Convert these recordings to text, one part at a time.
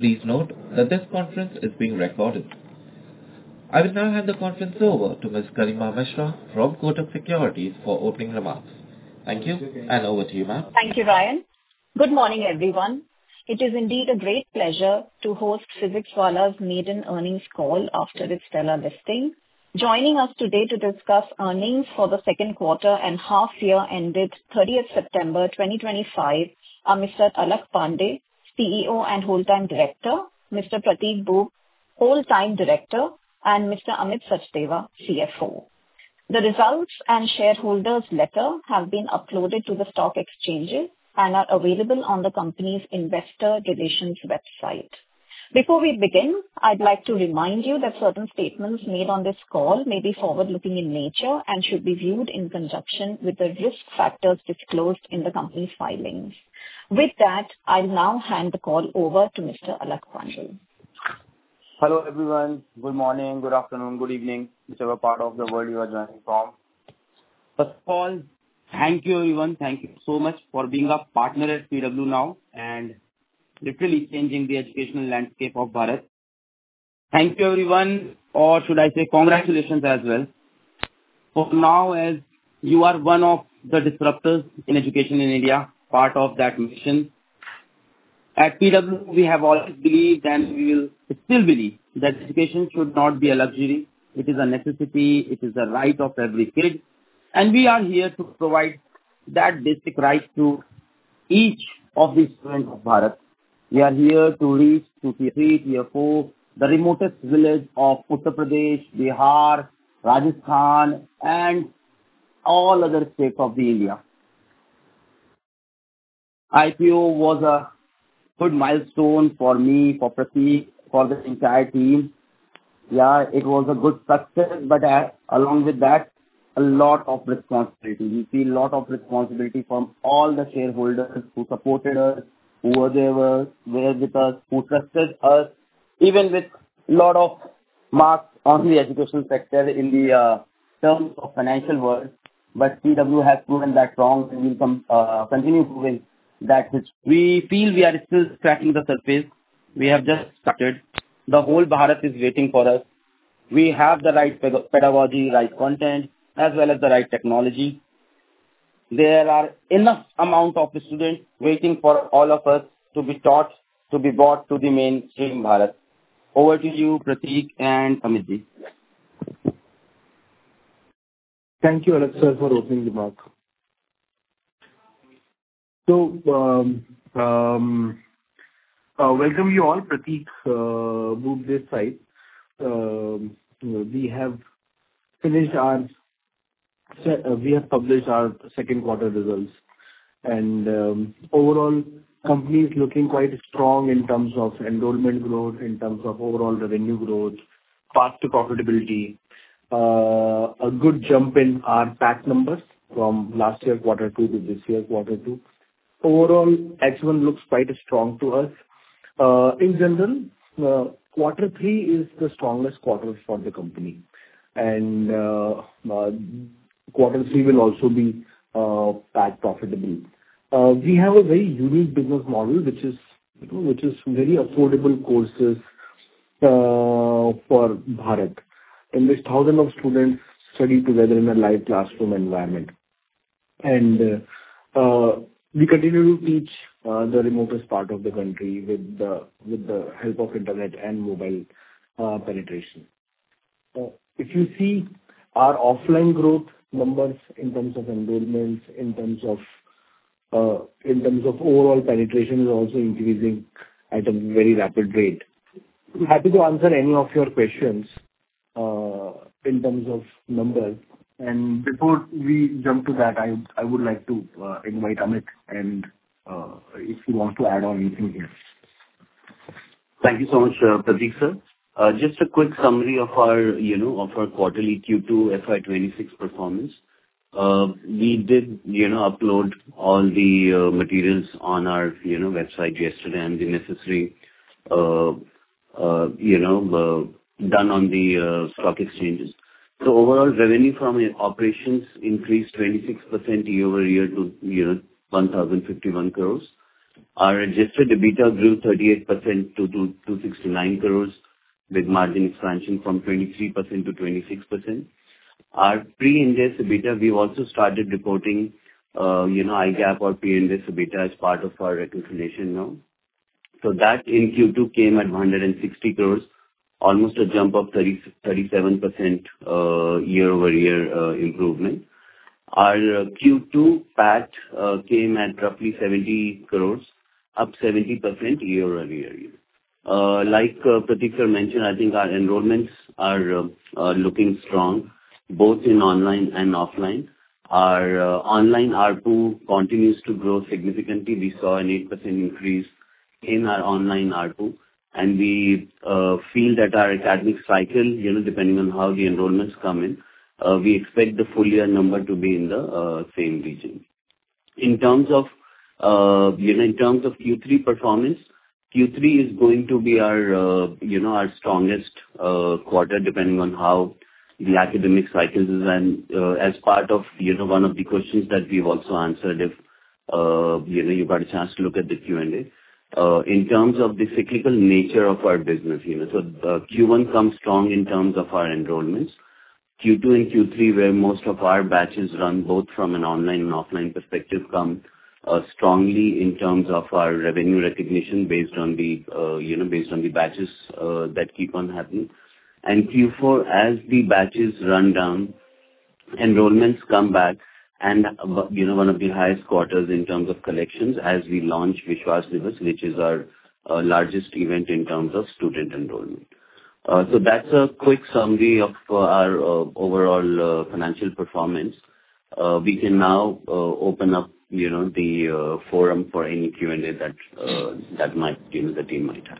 Please note that this conference is being recorded. I will now hand the conference over to Ms. Garima Mishra from Kotak Securities for opening remarks. Thank you. Over to you, ma'am. Thank you, Ryan. Good morning, everyone. It is indeed a great pleasure to host Physics Wallah's maiden earnings call after its stellar listing. Joining us today to discuss earnings for the second quarter and half year ended 30th September 2025, are Mr. Alakh Pandey, CEO and Whole Time Director, Mr. Prateek Boob, Whole Time Director, and Mr. Amit Sachdeva, CFO. The results and shareholders letter have been uploaded to the stock exchanges and are available on the company's investor relations website. Before we begin, I'd like to remind you that certain statements made on this call may be forward-looking in nature and should be viewed in conjunction with the risk factors disclosed in the company's filings. With that, I'll now hand the call over to Mr. Alakh Pandey. Hello, everyone. Good morning, good afternoon, good evening, whichever part of the world you are joining from. First of all, thank you, everyone. Thank you so much for being a partner at PW now and literally changing the educational landscape of Bharat. Thank you, everyone, or should I say congratulations as well. For now, as you are one of the disruptors in education in India, part of that mission. At PW, we have always believed, and we will still believe, that education should not be a luxury, it is a necessity, it is a right of every kid, and we are here to provide that basic right to each of the students of Bharat. We are here to reach to tier three, tier four, the remotest village of Uttar Pradesh, Bihar, Rajasthan, and all other states of the India. IPO was a good milestone for me, for Prateek, for this entire team. Yeah, it was a good success, but along with that, lot of responsibility. We feel lot of responsibility from all the shareholders who supported us, who were there with us, who trusted us, even with lot of marks on the educational sector in the terms of financial world. PW has proven that wrong, and we continue proving that which we feel we are still scratching the surface. We have just started. The whole Bharat is waiting for us. We have the right pedagogy, right content, as well as the right technology. There are enough amount of students waiting for all of us to be taught, to be brought to the mainstream Bharat. Over to you, Prateek and Amitji. Thank you, Alakh Sir, for opening remark. Welcome you all. Prateek Boob this side. We have published our second quarter results, and overall, company is looking quite strong in terms of enrollment growth, in terms of overall revenue growth, path to profitability. A good jump in our PAT numbers from last year, quarter two to this year, quarter two. Overall, H1 looks quite strong to us. In general, quarter three is the strongest quarter for the company, and quarter three will also be PAT profitable. We have a very unique business model, which is, you know, which is very affordable courses for Bharat, in which 1,000 of students study together in a live classroom environment. We continue to reach, the remotest part of the country with the help of internet and mobile, penetration. If you see our offline growth numbers in terms of enrollments, in terms of, in terms of overall penetration is also increasing at a very rapid rate. We're happy to answer any of your questions, in terms of numbers. Before we jump to that, I would like to, invite Amit and, if he wants to add on anything here. Thank you so much, Prateek sir. Just a quick summary of our, you know, of our quarterly Q2 FY26 performance. We did, you know, upload all the materials on our, you know, website yesterday and the necessary, you know, done on the stock exchanges. Overall, revenue from operations increased 26% year-over-year to, you know, 1,051 crores. Our adjusted EBITDA grew 38% to 269 crores, with margin expansion from 23%-26%. Our pre-interest EBITDA, we've also started reporting, you know, IGAAP or pre-interest EBITDA as part of our reconciliation now. That in Q2 came at 160 crores, almost a jump of 37% year-over-year improvement. Our Q2 PAT came at roughly 70 crores, up 70% year-over-year. Like Prateek sir mentioned, I think our enrollments are looking strong, both in online and offline. Our online ARPU continues to grow significantly. We saw an 8% increase in our online ARPU, and we feel that our academic cycle, you know, depending on how the enrollments come in, we expect the full year number to be in the same region. In terms of, you know, in terms of Q3 performance, Q3 is going to be our, you know, our strongest quarter, depending on how. The academic cycles is and, as part of, you know, one of the questions that we've also answered, if, you know, you've got a chance to look at the Q&A. In terms of the cyclical nature of our business, you know, Q1 comes strong in terms of our enrollments. Q2 and Q3, where most of our batches run, both from an online and offline perspective, come strongly in terms of our revenue recognition based on the, you know, based on the batches that keep on happening. Q4, as the batches run down, enrollments come back and, you know, one of the highest quarters in terms of collections as we launch Vishwas Diwas, which is our largest event in terms of student enrollment. That's a quick summary of our overall financial performance. We can now open up, you know, the forum for any Q&A that might, you know, the team might have.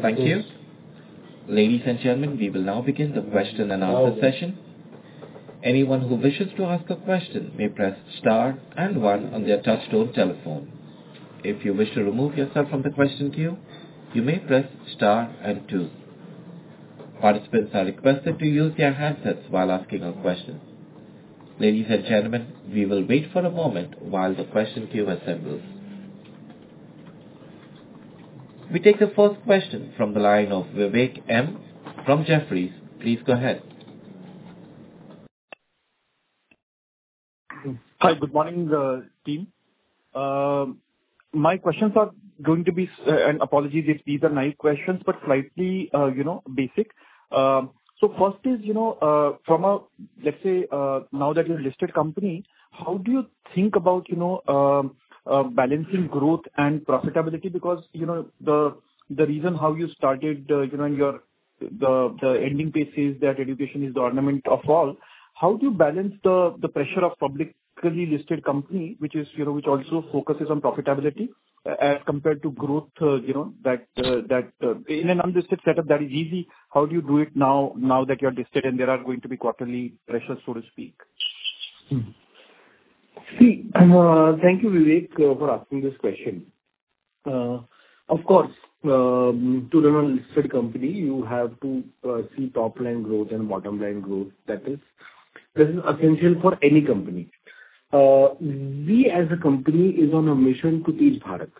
Thank you. Ladies and gentlemen, we will now begin the question and answer session. Anyone who wishes to ask a question may press star and one on their touchtone telephone. If you wish to remove yourself from the question queue, you may press star and two. Participants are requested to use their handsets while asking a question. Ladies and gentlemen, we will wait for a moment while the question queue assembles. We take the first question from the line of Vivek M from Jefferies. Please go ahead. Hi, good morning, team. My questions are going to be, and apologies if these are nice questions, but slightly, you know, basic. First is, you know, from a, let's say, now that you're a listed company, how do you think about, you know, balancing growth and profitability? You know, the reason how you started, you know, your. The ending pace is that education is the ornament of all. How do you balance the pressure of publicly listed company, which is, you know, which also focuses on profitability, as compared to growth, you know, that, that, in an unlisted setup that is easy. How do you do it now, now that you're listed and there are going to be quarterly pressures, so to speak? See, thank you, Vivek, for asking this question. To run a listed company, you have to see top line growth and bottom line growth, that is, this is essential for any company. We as a company is on a mission to teach Bharat.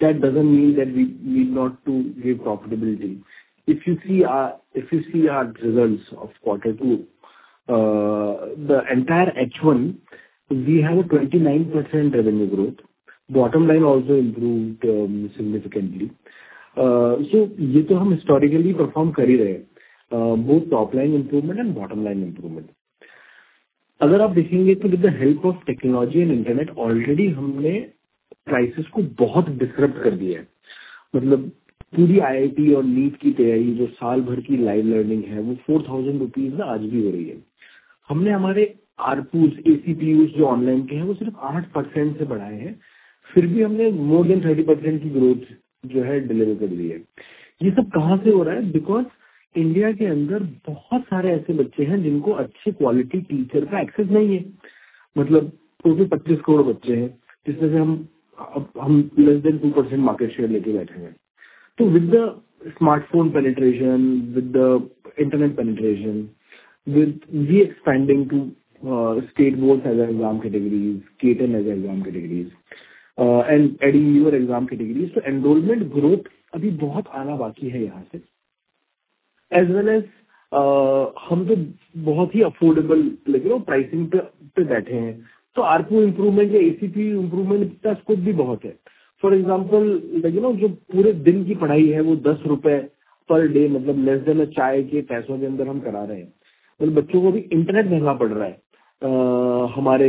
That doesn't mean that we need not to give profitability. If you see our, if you see our results of quarter two, the entire H1, we had a 29% revenue growth. Bottom line also improved significantly. Historically perform both top line improvement and bottom line improvement. With the help of technology and internet, already prices disrupt, means full IIT and NEET, which is a year-long live learning, is still happening for INR 4,000. We have increased our ARPUs, ACPUs, which are online, by only 8%. Still, we have delivered more than 30% growth. Where is all this coming from? Because in India, there are many children who do not have access to good quality teachers. Means, there are 25 crore children, out of which we are sitting with less than 2% market share. With the smartphone penetration, with the internet penetration, with we expanding to state boards as exam categories, CAT as exam categories, and adding your exam categories, enrollment growth has a lot of potential from here. We are sitting on a very affordable pricing. There is a lot of scope for ARPU improvement or ACPU improvement. For example, you know, the whole day's studies, we are providing for INR 10 per day, means for less than the cost of a tea. The children are also saving on internet with our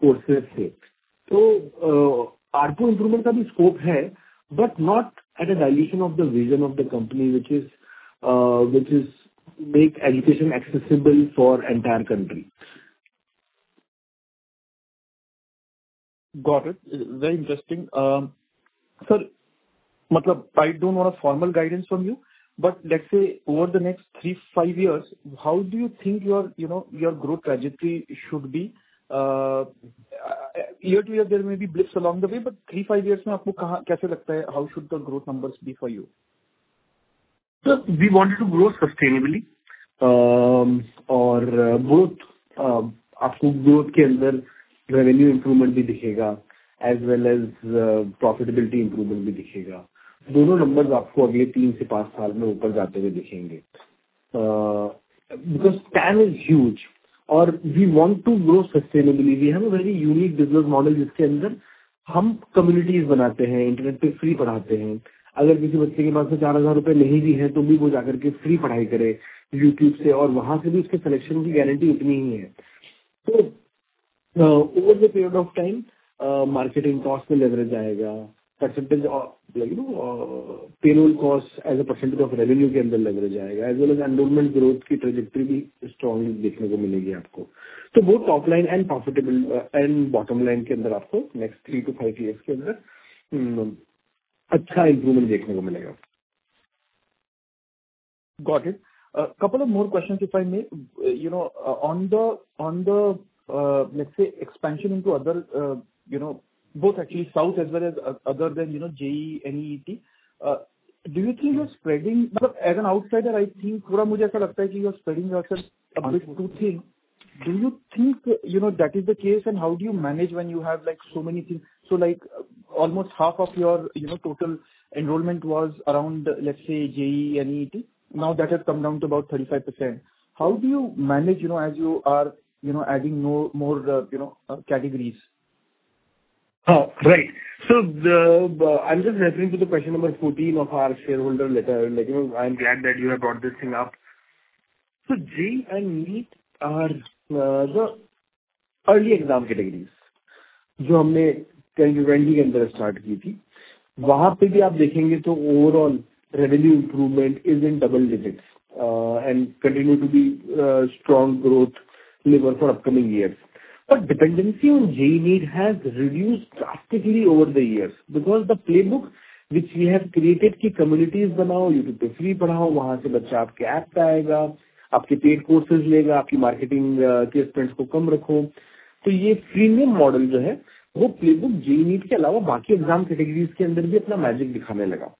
courses. ARPU improvement also has scope, but not at the dilution of the vision of the company, which is make education accessible for entire country. Got it. Very interesting. Sir, I don't want a formal guidance from you, but let's say over the next three, five years, how do you think your, you know, your growth trajectory should be? Year to year, there may be blips along the way, but three, five years, how do you think, how should the growth numbers be for you? Sir, we wanted to grow sustainably. Both, you will see revenue improvement as well as profitability improvement. You will see both numbers going up in the next three to five years. Because PAN is huge and we want to grow sustainably. We have a very unique business model in which we create communities, teach for free on the internet. Even if a child does not have 4,000 rupees, they can still study for free from YouTube, and the selection guarantee is the same. Over the period of time, marketing costs will leverage, percentage of, you know, payroll costs as a percentage of revenue will leverage, as well as enrollment growth trajectory will also be strong. Both top line and profitable, and bottom line, you will see a good improvement in the next three to five years. Got it. Couple of more questions, if I may. You know, on the, on the, let's say, expansion into other, you know, both actually south as well as other than, you know, JEE, NEET, do you think you're spreading? As an outsider, I think, I feel that you're spreading yourself a bit too thin. Do you think, you know, that is the case? How do you manage when you have, like, so many things? Like, almost half of your, you know, total enrollment was around, let's say, JEE and NEET. Now, that has come down to about 35%. How do you manage, you know, as you are, you know, adding more, more, you know, categories? Right. I'm just referring to the question number 14 of our shareholder letter. You know, I'm glad that you have brought this thing up. JEE and NEET are the early exam categories, which we started in 2020. There also, if you see, the overall revenue improvement is in double digits and continue to be strong growth lever for upcoming years. Dependency on JEE, NEET has reduced drastically over the years because the playbook which we have created, create communities, study for free on YouTube. From there, the child will come to your apps, take your paid courses, keep your marketing expense low. This premium model, which is there, apart from JEE, NEET, the playbook started showing its magic in other exam categories as well.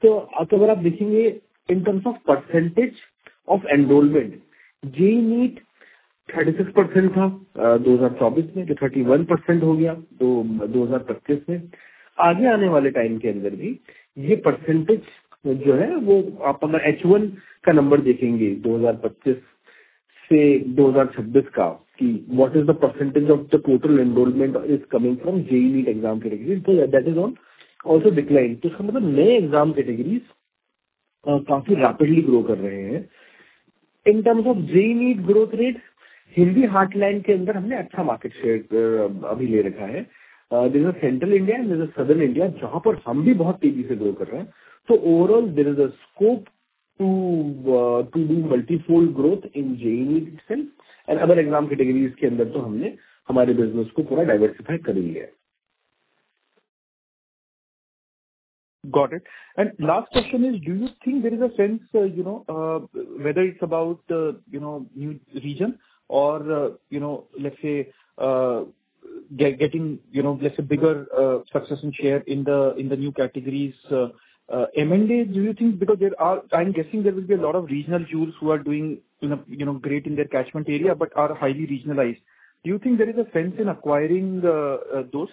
If you look in terms of percentage of enrollment, JEE, NEET, 36% was in 2024, which became 31% in 2025. In the coming time too, this percentage, which is there, you will see the number of H one from 2025-2026, that what is the percentage of the total enrollment is coming from JEE, NEET exam category? That is on also decline. It means new exam categories are growing quite rapidly. In terms of JEE, NEET growth rate, in Hindi heartland, we have taken a good market share now. There is a Central India and there is a Southern India, where we are also growing very fast. Overall, there is a scope to, to do multi-fold growth in JEE, NEET itself, and other exam categories, so we have diversified our business completely. Got it. Last question is, do you think there is a sense, you know, whether it's about, you know, new region or, you know, let's say, getting, you know, let's say, bigger, success and share in the new categories, M&A, do you think? I'm guessing there will be a lot of regional jewels who are doing, you know, great in their catchment area, but are highly regionalized. Do you think there is a sense in acquiring those?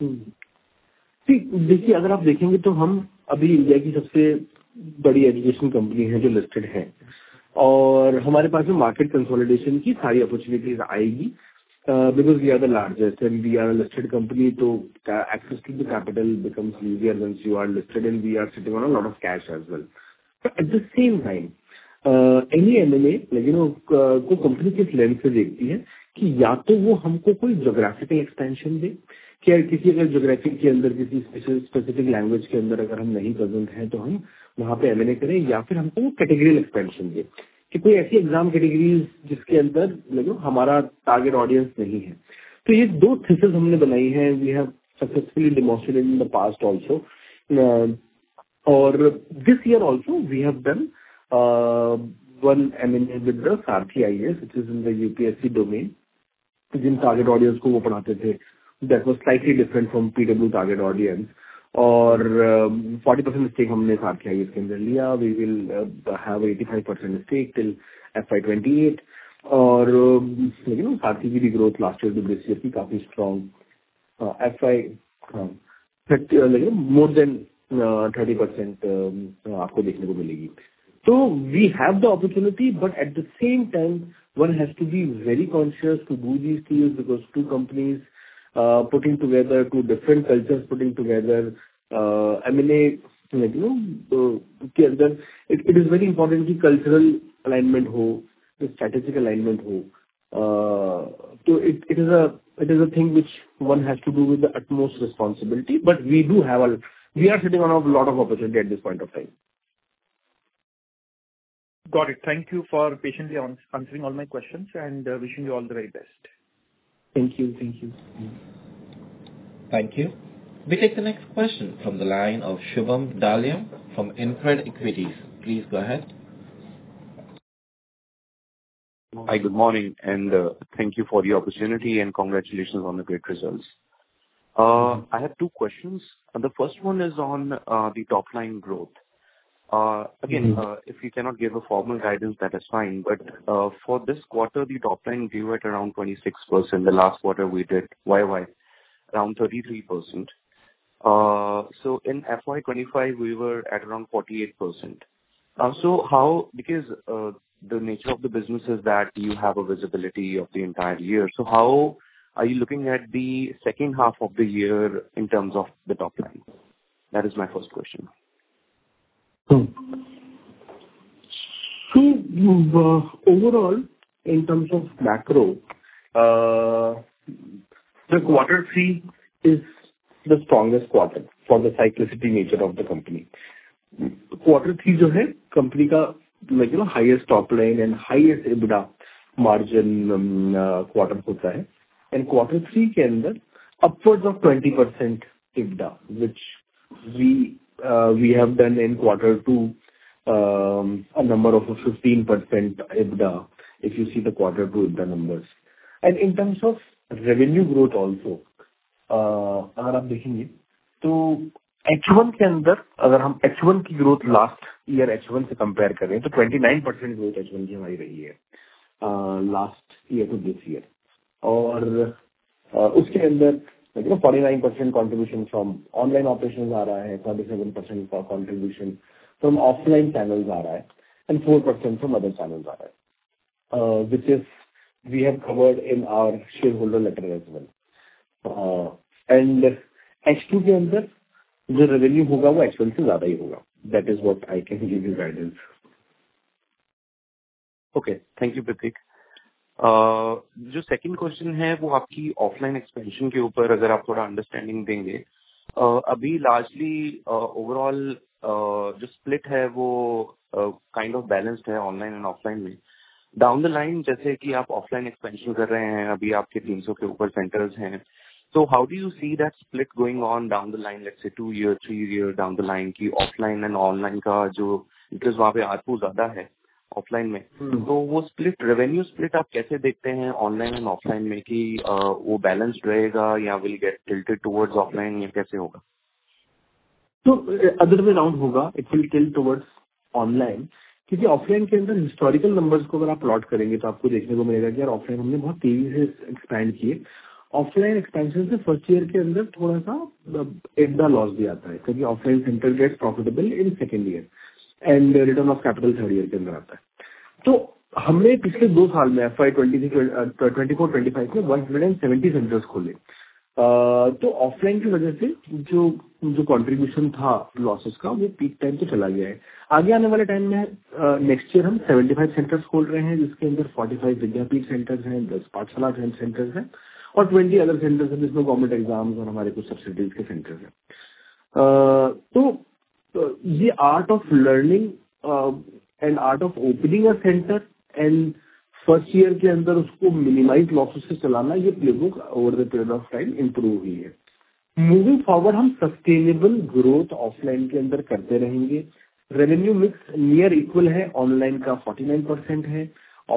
See, if you look, we are currently the largest education company in India, which is listed. We will have all the opportunities for market consolidation because we are the largest and we are a listed company. Access to the capital becomes easier once you are listed, and we are sitting on a lot of cash as well. At the same time, any M&A, you know, the company looks at it from which lens, that either it gives us some geographic expansion, or if we are not present in any specific geographic or specific language, then we do M&A there, or it gives us a categorical expansion, that there is some exam category in which, you know, our target audience is not there. We have made these two theses, we have successfully demonstrated in the past also. This year also, we have done one M&A with the Sarthi IAS, which is in the UPSC domain. The target audience they taught, that was slightly different from PW target audience. 40% stake we have taken in Sarthi IAS. We will have 85% stake till FY 2028. You know, Sarrthi's growth last year to this year was quite strong. FY, like you know, more than 30% you will see. We have the opportunity, but at the same time, one has to be very conscious to do these deals because two companies putting together, two different cultures putting together, M&A, you know, together. It is very important that there is cultural alignment, there is strategic alignment. It is a thing which one has to do with the utmost responsibility. We are sitting on a lot of opportunity at this point of time. Got it. Thank you for patiently answering all my questions, and wishing you all the very best. Thank you. Thank you. Thank you. We take the next question from the line of Shubham Dalal from Incred Equities. Please go ahead. Hi, good morning, and thank you for the opportunity, and congratulations on the great results. I have two questions, and the first one is on the top line growth. Mm-hmm. again, if you cannot give a formal guidance, that is fine, but for this quarter, the top line grew at around 26%. The last quarter we did YY, around 33%. In FY 2025, we were at around 48%. Because the nature of the business is that you have a visibility of the entire year, how are you looking at the second half of the year in terms of the top line? That is my first question. Overall, in terms of macro, the quarter three is the strongest quarter for the cyclicity nature of the company. Quarter three, which is the company's, like, you know, highest top line and highest EBITDA margin, quarter. Quarter three within upwards of 20% EBITDA, which we have done in quarter two, a number of a 15% EBITDA, if you see the quarter two EBITDA numbers. In terms of revenue growth also, अगर आप देखेंगे तो H1 के अंदर अगर हम H1 की growth last year H1 से कंपेयर करें तो 29% ग्रोथ H1 की हमारी रही है। Last year to this year और उसके अंदर 49% कॉन्ट्रिब्यूशन फ्रॉम ऑनलाइन ऑपरेशन आ रहा है। 47% कॉन्ट्रिब्यूशन फ्रॉम ऑफलाइन चैनलों आ रहा है। 4% फ्रॉम अदर चैनलों आ रहा है। Which is we have covered in our shareholder letter as well। H2 के अंदर जो रेवेन्यू होगा वो H1 से ज्यादा ही होगा। That is what I can give you guidance. Okay, thank you Prateek! जो सेकंड क्वेश्चन है वो आपकी ऑफलाइन एक्सपेंशन के ऊपर अगर आप थोड़ा अंडरस्टैंडिंग देंगे। अभी लार्जली ओवरऑल जो स्प्लिट है वो काइंड ऑफ बैलेंस है, ऑनलाइन और ऑफलाइन में डाउन द लाइन जैसे कि आप ऑफलाइन एक्सपेंशन कर रहे हैं, अभी आपके 300 के ऊपर सेंटर्स हैं। How do you see that split going on down the line, let's say two year three year down the line की ऑफलाइन एंड ऑनलाइन का जो इंटरेस्ट वहां पर ARPU ज्यादा है, ऑफलाइन में। तो वो स्प्लिट रेवेन्यू स्प्लिट आप कैसे देखते हैं? ऑनलाइन और ऑफलाइन में कि वो बैलेंस रहेगा या will get tilt towards offline या कैसे होगा? अदर वे अराउंड होगा। It will tilt towards online, क्योंकि offline के अंदर historical numbers को अगर आप plot करेंगे तो आपको देखने को मिलेगा कि यार offline हमने बहुत तेजी से expand किए। Offline expansion से first year के अंदर थोड़ा सा EBITDA loss भी आता है, क्योंकि offline center get profitable in second year and return of capital third year के अंदर आता है। हमने पिछले two साल में FY 2024-2025 में 170 centers खोले। Offline की वजह से जो contribution था, losses का वो peak time से चला गया है। आगे आने वाले time में next year हम 75 centers खोल रहे हैं, जिसके अंदर 45 Vidyapeeth centers हैं। 10 Pathshala centers हैं और 20 other centers हैं, जिसमें government exam और हमारे कुछ subsidy के centers हैं। ये art of learning and art of opening, A center and first year के अंदर उसको minimize losses से चलाना। ये playbook over the period of time improve हुई है। Moving forward हम sustainable growth offline के अंदर करते रहेंगे। Revenue mix near equal है, online का 49% है,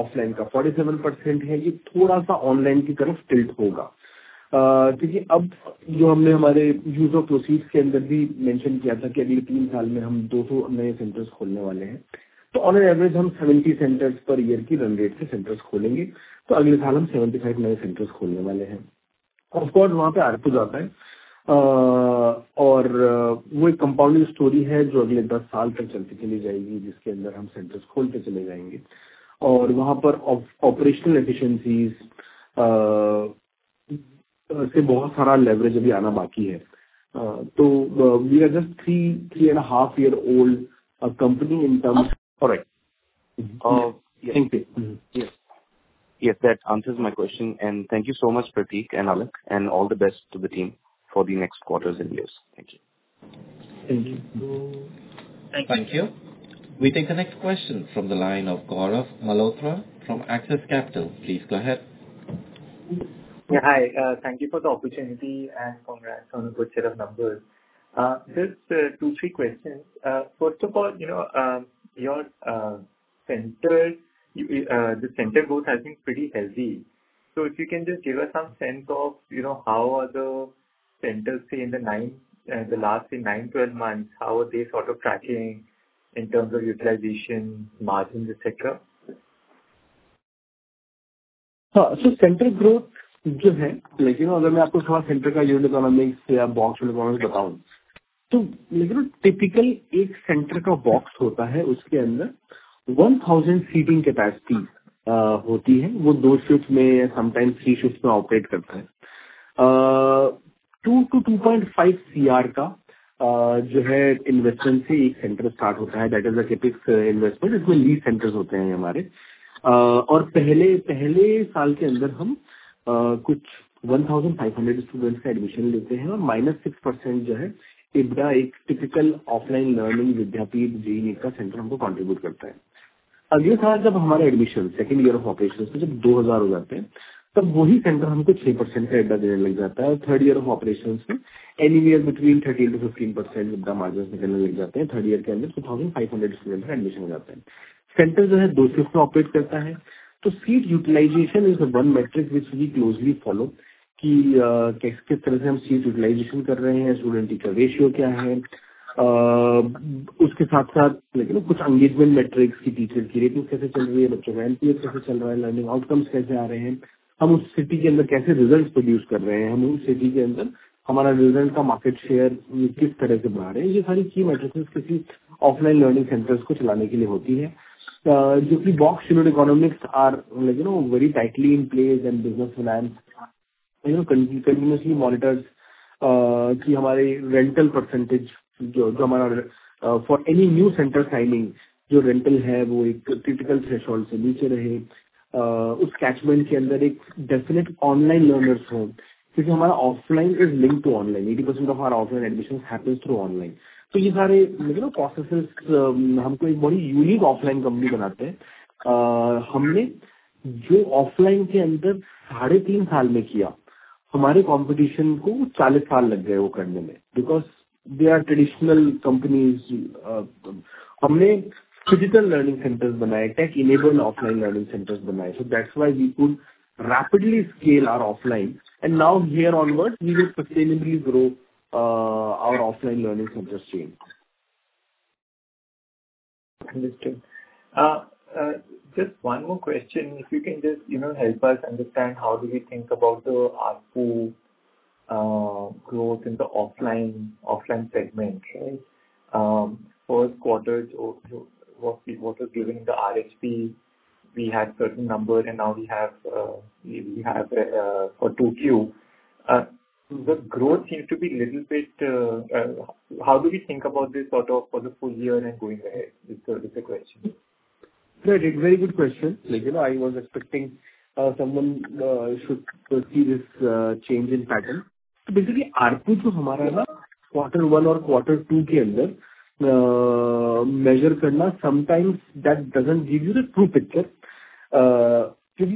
offline का 47% है। ये थोड़ा सा online की तरफ tilt होगा। क्योंकि अब जो हमने हमारे use of procedure के अंदर भी mention किया था, कि अगले three साल में हम 200 नए centers खोलने वाले हैं। On an average, हम 70 centers per year की run rate से centers खोलेंगे। अगले साल हम 75 नए centers खोलने वाले हैं। Of course, वहां पर ARPU जाता है, और वो एक compounding story है, जो अगले 10 साल तक चलती चली जाएगी, जिसके अंदर हम centers खोलते चले जाएंगे और वहां पर operational efficiency से बहुत सारा leverage अभी आना बाकी है। We are just three and a half year old company in terms. Correct! Uh, thank you. Yes, yes, that answers my question and thank you so much Prateek and अलेक and all the best to the team for the next quarters and years. Thank you. Thank you. Thank you. We take the next question from the line of Gaurav Malhotra from Axis Capital please go ahead. Hi, thank you for the opportunity and congratulation good set of numbers. Just to three question. First of all you know your center, the center both है be pretty healthy. So if you can just give some sense of you know, how are the centers in the nine and the last in nine twelve months, how are you sort of tracking in terms of utilization, margin etcetera. Center growth जो है. अगर मैं आपको थोड़ा centre का economics या box बताऊं, टिपical एक सेंटर का box होता है. उसके अंदर 1,000 seating capacity होती है. वो two shifts में sometimes three shifts में operate करता है. 2-2.5 crore का जो है investment से एक सेंटर start होता है. That is the CAPEX investment, जिसमें lead centers होते हैं हमारे और पहले-पहले साल के अंदर हम कुछ 1,500 students का admission लेते हैं और -6% जो है, EBITDA एक typical offline learning Vidyapeeth JEE का सेंटर हमको contribute करता है. अगले साल जब हमारे admission second year of operation से जब 2,000 हो जाते हैं तब वही सेंटर हमको 6% EBITDA देने लग जाता है और third year of operation में any year between 13%-15% margin निकलने लग जाते हैं. Third year के अंदर 500 student का admission हो जाता है. सेंटर जो है, two shifts में operate करता है. Seat utilization is the one metric, which we closely follow कि किस तरह से हम seat utilization कर रहे हैं. Student teacher ratio क्या है? उसके साथ साथ कुछ engagement metric की टीचर की रेटिंग कैसे चल रही है, बच्चों का NPA कैसे चल रहा है, learning outcomes कैसे आ रहे हैं? हम उस सिटी के अंदर कैसे रिजल्ट प्रोड्यूस कर रहे हैं। हम उस सिटी के अंदर हमारा रिजल्ट का मार्केट शेयर किस तरह से बढ़ा रहे हैं। ये सारी key metrics किसी ऑफलाइन learning centers को चलाने के लिए होती है। जो कि box economics are, you know, very tightly in place and business finance, you know, continuously monitors that हमारे rental percentage, जो हमारा for any new center signing जो rental है, वो एक critical threshold से नीचे रहे। उस catchment के अंदर एक definite online learners हों, क्योंकि हमारा offline is link to online. 80% of online admission happen through online. ये सारे process हम को एक बहुत unique offline company बनाते हैं। हमने जो ऑफलाइन के अंदर 3.5 साल में किया, हमारे competition को 40 साल लग गए वो करने में। Because they are traditional companies. हमने digital learning centers बनाए, tech-enabled और offline learning centers बनाए। That is why we could rapidly scale our offline and now here onward, we will sustainably grow our offline learning center chain. Understood. Just one more question. If you can just, you know, help us understand how do we think about the ARPU growth in the offline segment, right? First quarter or what was given in the RSP, we had certain numbers, and now we have for 2Q. The growth seems to be little bit. How do we think about this sort of for the full year and going ahead? This is the question. No, it's a very good question. Like, you know, I was expecting someone should see this change in pattern. Basically, ARPU, quarter one or quarter two measure, sometimes that doesn't give you the true picture. ARPU,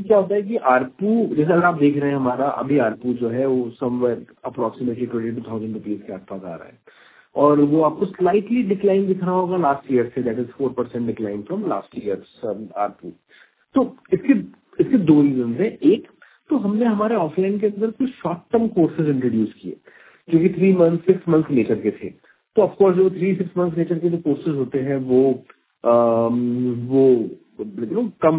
somewhere approximately INR 22,000. You will slightly decline this from last year, that is 4% decline from last year's ARPU. It could do two reasons. One, short term courses introduced, which is three months, six months nature. Of course, the three, six months nature courses low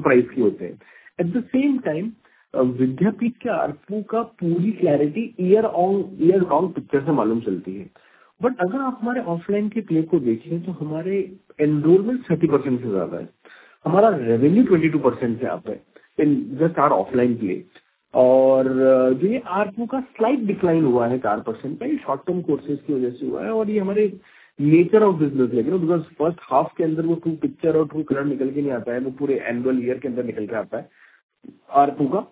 price. At the same time, Vidyapeeth's ARPU clarity year on picture. Our offline play, enrollment 30%. Our revenue 22% in just our offline play. ARPU slight decline, 4%, short term courses, nature of business. Because first half picture or full color ARPU.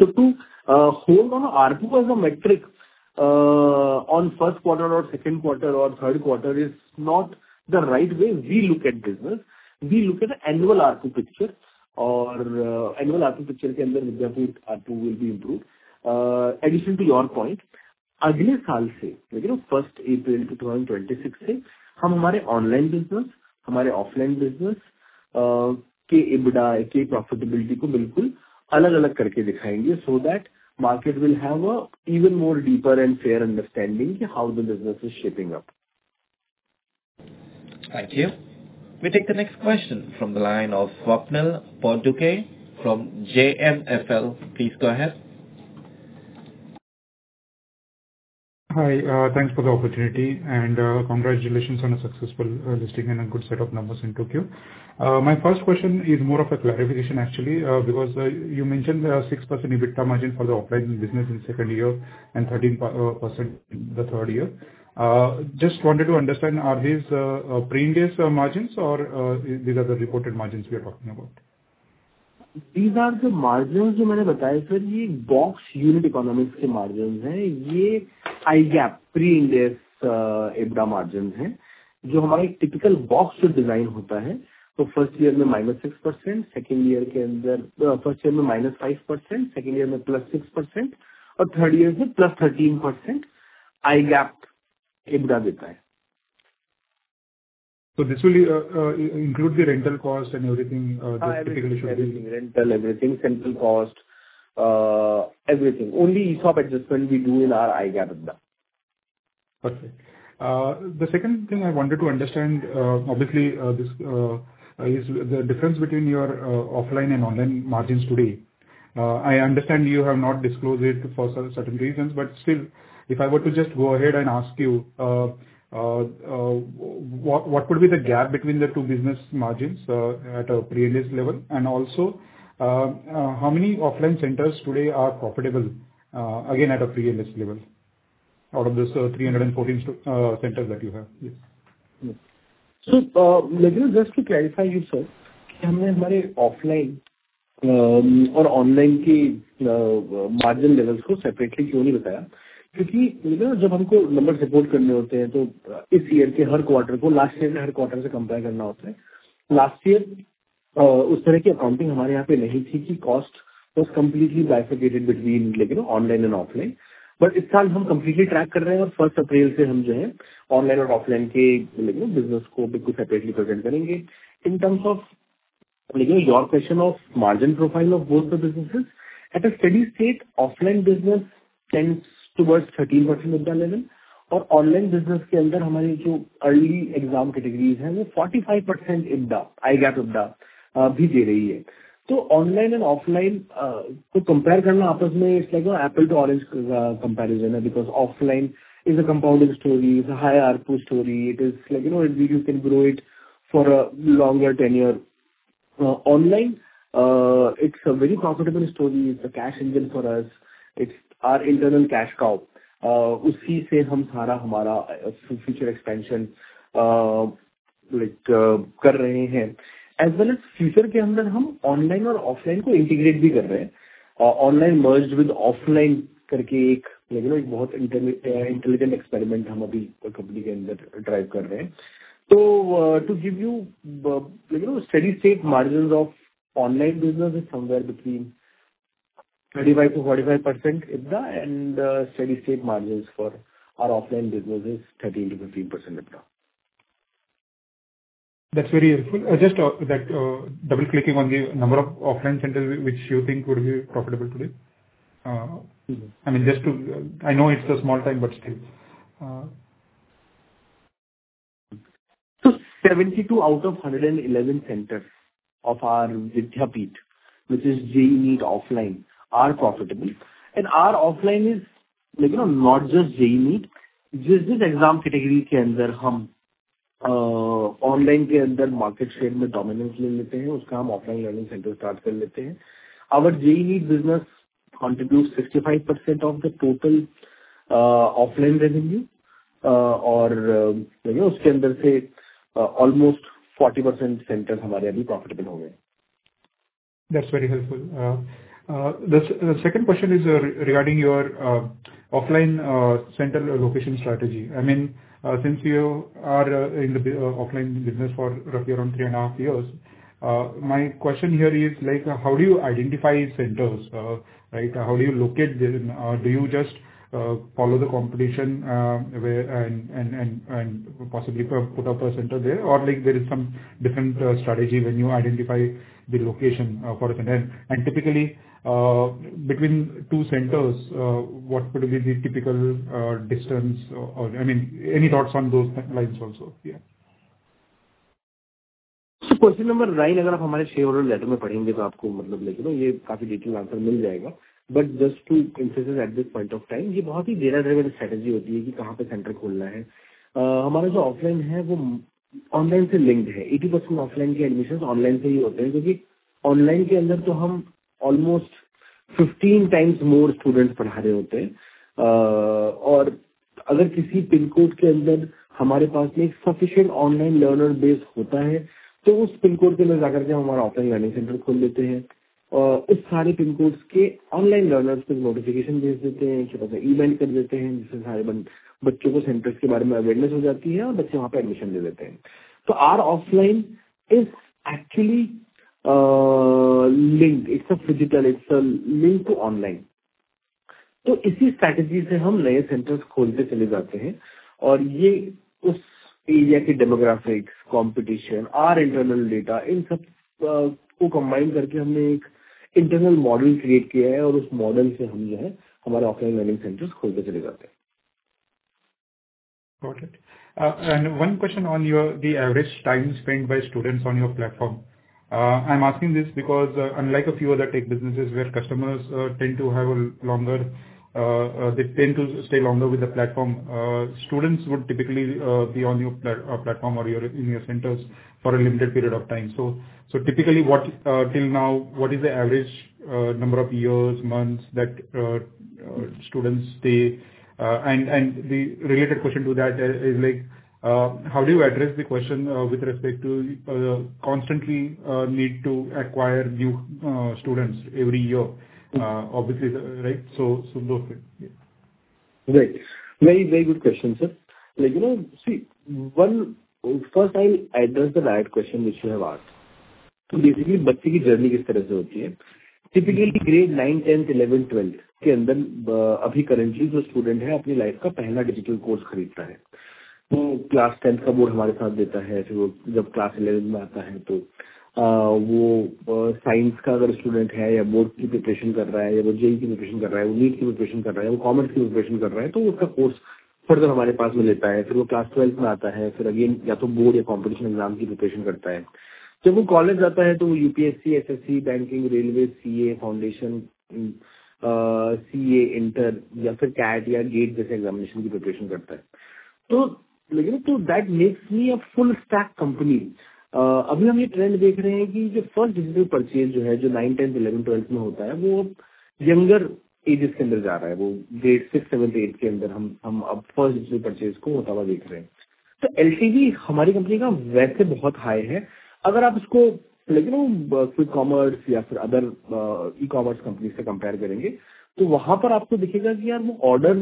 To hold on ARPU as a metric on first quarter or second quarter or third quarter is not the right way we look at business. We look at the annual ARPU picture, or annual ARPU picture Vidyapeeth ARPU will be improved. Addition to your point, April 1, 2026, online business, our offline business, EBITDA profitability, that market will have a even more deeper and fair understanding of how the business is shaping up. Thank you. We take the next question from the line of Swapnil Potdukhe from JMFL. Please go ahead. Hi, thanks for the opportunity and congratulations on a successful listing and a good set of numbers in Tokyo. My first question is more of a clarification, actually, because you mentioned the 6% EBITDA margin for the operating business in second year and 13% the third year. Just wanted to understand, are these pre-interest margins or these are the reported margins we are talking about? These are the margins box unit economics margins. Pre-interest EBITDA margins. Typical box design, first year, -5%, second year, +6%, or third year, +13%, iGAAP EBITDA. This will include the rental cost and everything, that typically. Rental, everything, central cost, everything. Only ESOP adjustment we do in our iGAAP EBITDA. Okay. The second thing I wanted to understand, obviously, this is the difference between your offline and online margins today. I understand you have not disclosed it for certain reasons, but still, if I were to just go ahead and ask you, what would be the gap between the two business margins, at a pre-interest level? Also, how many offline centers today are profitable, again, at a pre-interest level, out of those, 314, centers that you have? Yes. Let me just to clarify here, sir, offline, or online, margin levels separately. Because when we number support, this year, every quarter, last year, every quarter, compare. Last year, accounting cost was completely bifurcated between, like, you know, online and offline. This year, we're completely tracking, and first April, online and offline business separately. In terms of, you know, your question of margin profile of both the businesses, at a steady state, offline business tends towards 13% EBITDA level, or online business, early exam categories, 45% EBITDA, iGAAP EBITDA. Online and offline, compare, it's like an apple to orange, comparison, because offline is a compounded story, it's a high ARPU story. It is like, you know, you can grow it for a longer tenure. Online, it's a very profitable story. It's a cash engine for us. It's our internal cash cow. As well as future, online or offline, integrate. Online merged with offline, intelligent experiment company drive. To give you the, you know, steady-state margins of online business is somewhere between 25%-45% EBITDA, and steady-state margins for our offline business is 13%-15% EBITDA. That's very helpful. just, that, double-clicking on the number of offline centers which you think would be profitable today? I mean, just to, I know it's a small time, but still. 72 out of 111 centers of our Vidyapeeth, which is JEE offline, are profitable, and our offline is, you know, not just JEE. This is exam category, online market share dominance offline learning center start. Our JEE business contributes 65% of the total offline revenue, or you know, almost 40% centers profitable. That's very helpful. The second question is, regarding your offline center location strategy. I mean, since you are in the offline business for around three and a half years, my question here is, like, how do you identify centers? Right. How do you locate them, or do you just follow the competition, where and possibly put up a center there? Or like there is some different strategy when you identify the location for the center? Typically, between two centers, what could be the typical distance or, I mean, any thoughts on those lines also? Yeah. Question number nine, but just to emphasize at this point of time, strategy, offline, online linked 80% offline admissions online. Online, almost 15 times more students. Or other Pincode sufficient online learner base. Our offline learning center is Pincode online learners notification, send email, event centers, awareness, or admission. Our offline is actually linked. It's a Phygital. It's a link to online. This strategy centers demographics, competition, our internal data, in sub combined internal model create model. Our offline learning centers. Got it. One question on your the average time spent by students on your platform. I'm asking this because, unlike a few other tech businesses where customers tend to have a longer, they tend to stay longer with the platform, students would typically be on your platform or your, in your centers for a limited period of time. Typically, what till now, what is the average number of years, months that students stay? The related question to that is like, how do you address the question with respect to constantly need to acquire new students every year? Obviously, right. Both it. Yeah. Right. Very, very good question, sir. First, I'll address the last question which you have asked. Typically, grade nine, 10th, 11th, 12th, currently, the student have life digital course. Class 10th board class 11th science student, board preparation, JEE preparation, NEET preparation, commerce preparation. Course further class 12th again, either board or competition exam preparation. College UPSC, SSC, banking, railways, CA Foundation, CA Inter, CAT, GATE examination preparation. That makes me a full stack company. First digital purchase nine, 10th, 11th, 12th, younger ages sixth, seventh, eigth first digital purchase. LTV very high. If you compare quick commerce or other e-commerce companies, order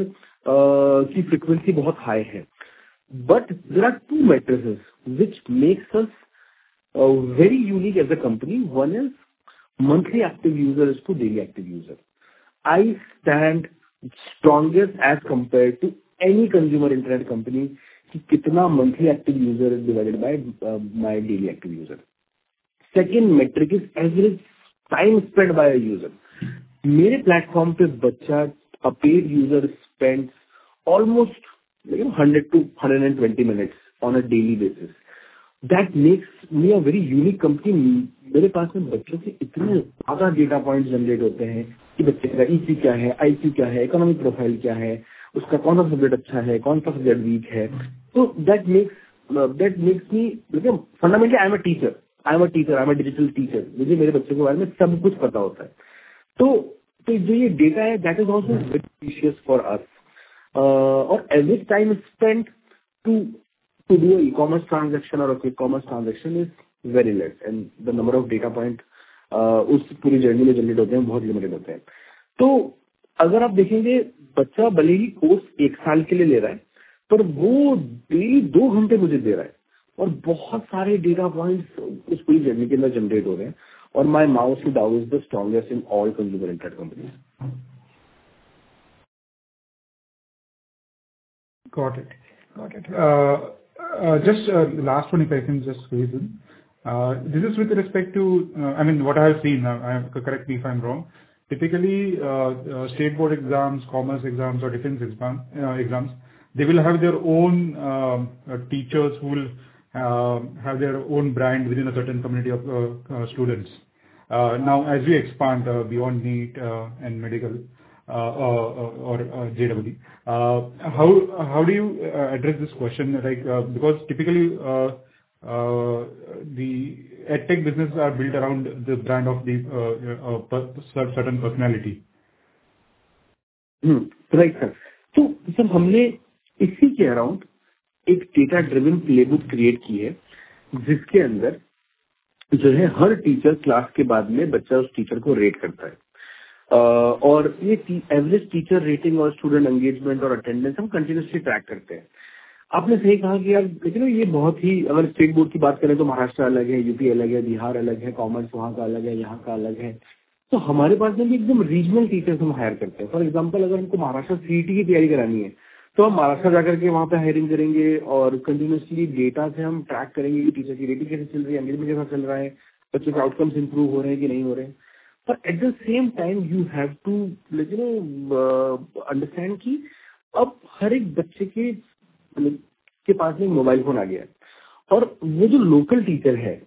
frequency very high. There are two matrices which makes us very unique as a company. One is monthly active users to daily active users. I stand strongest as compared to any consumer internet company. Monthly active user is divided by my daily active user. Second metric is average time spent by a user. My platform pay user spends almost 100 to 120 minutes on a daily basis. That makes me a very unique company. Data points generated EC, IP, economic profile. That makes that makes me fundamentally, I'm a teacher, I'm a teacher, I'm a digital teacher. Data that is also very precious for us. Average time spent to do an e-commerce transaction or a quick commerce transaction is very less, and the number of data point very limited. If you see my moat is the strongest in all consumer internet companies. Got it! Got it. Just last one question, just squeeze in. This is with respect to, I mean, what I have seen, correct me if I'm wrong. Typically, state board exams, commerce exams or defense exams, they will have their own teachers who will have their own brand within a certain community of students. Now, as we expand beyond NEET and medical or JEE, how do you address this question? Like, because typically, the EdTech businesses are built around the brand of the certain personality. Right, sir. Sir, hamne issi ke around ek data-driven playbook create ki hai, jiske under jo hai har teacher class ke baad mein bacha us teacher ko rate karta hai. Aur ye average teacher rating aur student engagement aur attendance hum continuously track karte hai. Aapne sahi kaha ki yaar, you know, ye bahut hi agar state board ki baat karein, to Maharashtra alag hai, UP alag hai, Bihar alag hai, commerce waha ka alag hai, yaha ka alag hai. Hamare pass mein ekdam regional teachers hum hire karte hai. For example, agar humko Maharashtra CET ki tayari karani hai, to hum Maharashtra jake waha pe hiring karenge aur continuously data se hum track karenge ki teacher ki rating kaise chal rahi hai, engagement kaise chal raha hai, bachche ke outcomes improve ho rahe hai ki nahi ho rahe hai. At the same time, you have to, you know, understand ki ab har ek bachche ke pass mein mobile phone aa gaya hai aur wo jo local teacher hai,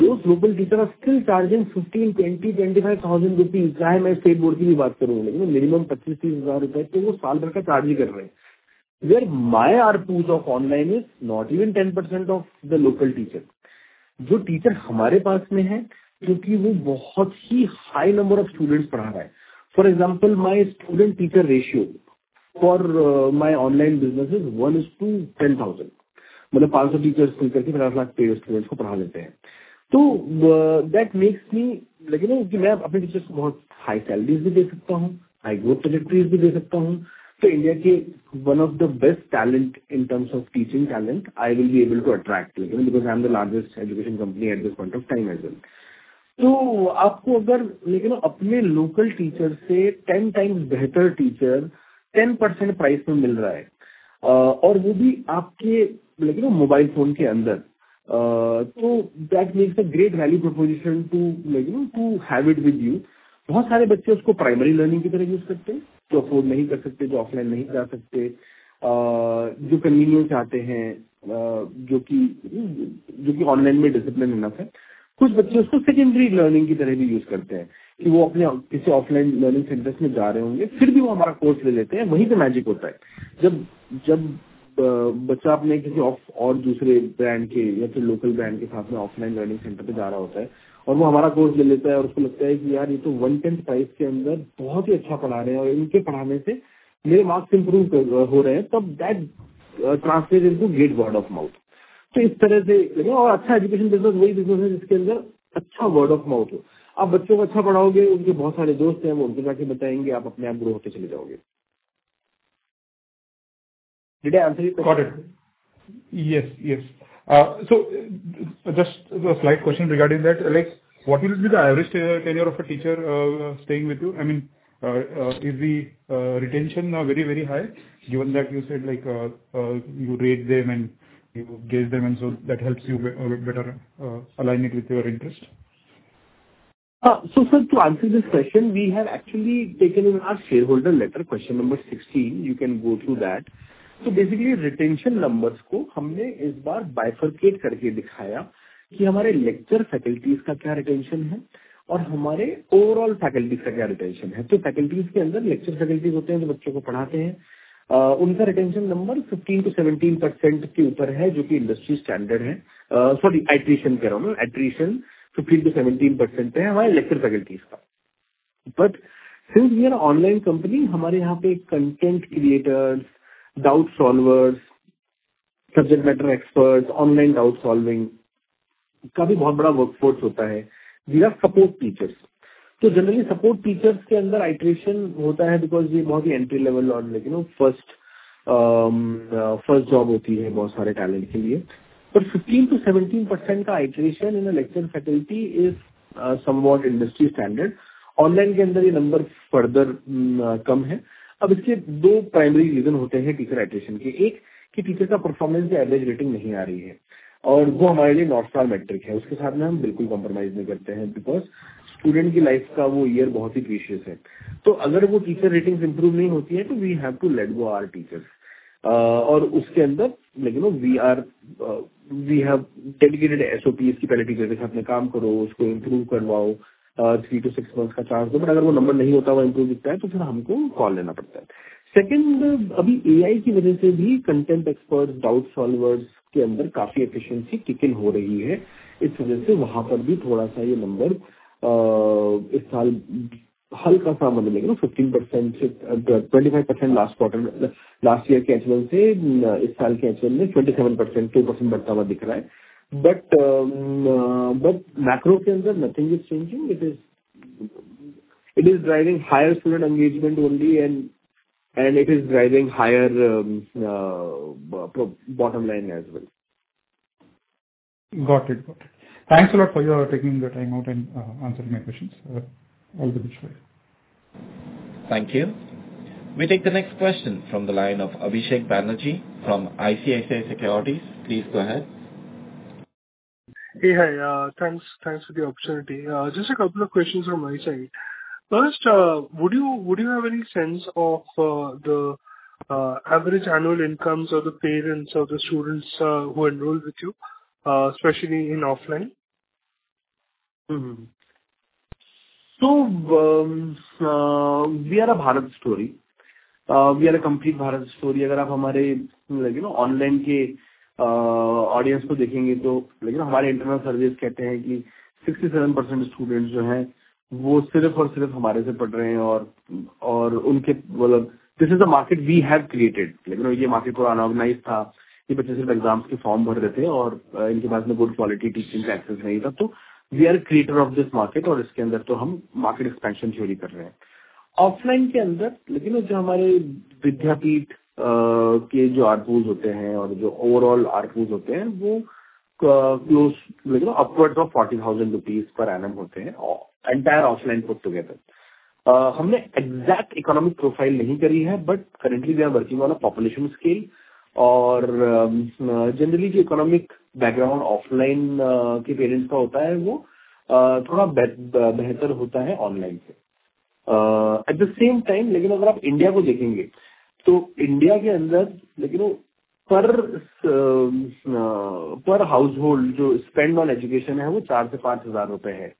those local teacher are still charging INR 15,000-INR 25,000. Kahin main state board ki bhi baat karun, minimum INR 25,000-INR 30,000 to wo saal bhar ka charge hi kar rahe hai. Where my R2 of online is not even 10% of the local teacher. Jo teacher hamare pass mein hai, kyuki wo bahut hi high number of students padha raha hai. For example, my student-teacher ratio for my online business is 1:10,000. Matlab 500 teachers milkar ke five lakh students ko padha lete hai. That makes me, like you know ki main apne teachers ko bahut high salaries bhi de sakta hun, high growth trajectories bhi de sakta hun. India ki one of the best talent in terms of teaching talent, I will be able to attract, you know, because I am the largest education company at this point of time as well. Aapko like you know, apne local teacher se 10 times behtar teacher, 10% price pe mil raha hai, aur wo bhi aapke, like you know, mobile phone ke andar. So that makes a great value proposition to, you know, to have it with you. Bahut sare bachche usko primary learning ki tarah use karte hai, jo afford nahi kar sakte, jo offline nahi ja sakte, jo convenient chahte hai, jo ki online mein discipline hota hai. Kuch bachche usko secondary learning ki tarah bhi use karte hai, ki wo apne kisi offline learning centers mein ja rahe honge, fir bhi wo hamara course le lete hai. Wahi pe magic hota hai. Jab bacha apne kisi aur dusre brand ke ya phir local brand ke saath mein offline learning center pe ja raha hota hai aur wo hamara course le leta hai aur usko lagta hai ki yaar, ye to one 10th price ke andar bahut hi achcha padha rahe hai aur inke padhaane se mere marks improve kar, ho rahe hai, tab that translate into great word of mouth. Is tarah se, like you know, achcha education business wahi business hai, jiske andar achcha word of mouth ho. Aap bachchon ko achcha padhaoge, unke bahut sare dost hai, wo unko jake batayenge, aap apne aap grow hote chale jaoge. Did I answer your question? Got it. Yes, yes. Just a slight question regarding that, like what will be the average tenure of a teacher staying with you? I mean, is the retention now very, very high, given that you said, like, you rate them and you gauge them, that helps you better align it with your interest? Sir, to answer this question, we have actually taken in our shareholder letter, question number 16, you can go through that. Retention numbers ko humne is baar bifurcate karke dikhaya ki hamare lecture faculties ka kya retention hai aur hamare overall faculty ka kya retention hai. Faculties ke andar lecture faculty hote hai, jo bachchon ko padhaate hai, unka retention number 15%-17% ke upar hai, jo ki industry standard hai. Sorry, attrition keh raha hun main, attrition 15%-17% hai, hamare lecture faculties ka. Since we are an online company, hamare yaha pe content creators, doubt solvers, subject matter experts, online doubt solving ka bhi bahut bada workforce hota hai. These are support teachers. To generally support teachers ke andar attrition hota hai because ye bahut hi entry level aur like you know, first, first job hoti hai, bahut sare talent ke liye. 15%-17% ka attrition in a lecture faculty is somewhat industry standard. Online ke andar ye number further kam hai. Ab iske two primary reason hote hai teacher attrition ke. One, ki teacher ka performance ya average rating nahi aa rahi hai aur wo hamare liye north star metric hai. Uske saath mein hum bilkul compromise nahi karte hai because student ki life ka wo year bahut hi precious hai. To agar wo teacher ratings improve nahi hoti hai, to we have to let go our teachers. Aur uske andar, like you know, we are, we have dedicated SOPs ki pehli teacher ke saath mein kaam karo, usko improve karwao, threeto six months ka chance do, agar wo number nahi hota aur improve dikhta hai, to phir humko call lena padta hai. Second, abhi AI ki vajah se bhi content expert, doubt solvers ke andar kaafi efficiency tickle ho rahi hai. Is vajah se waha par bhi thoda sa ye number, is saal halka sa, like you know, 15% se, 25% last quarter, last year ke against mein, is saal ke against mein 27%, 2% badhata hua dikh raha hai. Macro trends are nothing is changing. It is driving higher student engagement only and it is driving higher, pro- bottom line as well. Got it. Got it. Thanks a lot for your taking the time out and answering my questions. All the best for you. Thank you. We take the next question from the line of Abhishek Banerjee from ICICI Securities. Please go ahead. Hey, hi, thanks for the opportunity. Just a couple of questions from my side. First, would you have any sense of the average annual incomes of the parents of the students who enroll with you, especially in offline? We are a Bharat story. We are a complete Bharat story. अगर आप हमारे, you know, online के audience को देखेंगे तो, you know, हमारे internal surveys कहते हैं कि 67% students जो हैं, वो सिर्फ और सिर्फ हमारे से पढ़ रहे हैं और उनके मतलब-- this is a market we have created. You know, ये market पूरा unorganized था। ये बच्चे सिर्फ exams की form भर देते हैं और इनके पास में good quality teaching का access नहीं था। We are a creator of this market और इसके अंदर तो हम market expansion theory कर रहे हैं। offline के अंदर, you know, जो हमारे Vidyapeeth के जो Resource pools होते हैं और जो overall Resource pools होते हैं, वो close, you know, upwards of INR 40,000 per annum होते हैं, entire offline put together. हमने exact economic profile नहीं करी है, but currently we are working on a population scale और, generally जो economic background offline के parents का होता है, वो थोड़ा बेहतर होता है online से। At the same time, लेकिन अगर आप India को देखेंगे, तो India के अंदर, you know, per per household जो spend on education है, वो INR 4,000-5,000 रुपए है।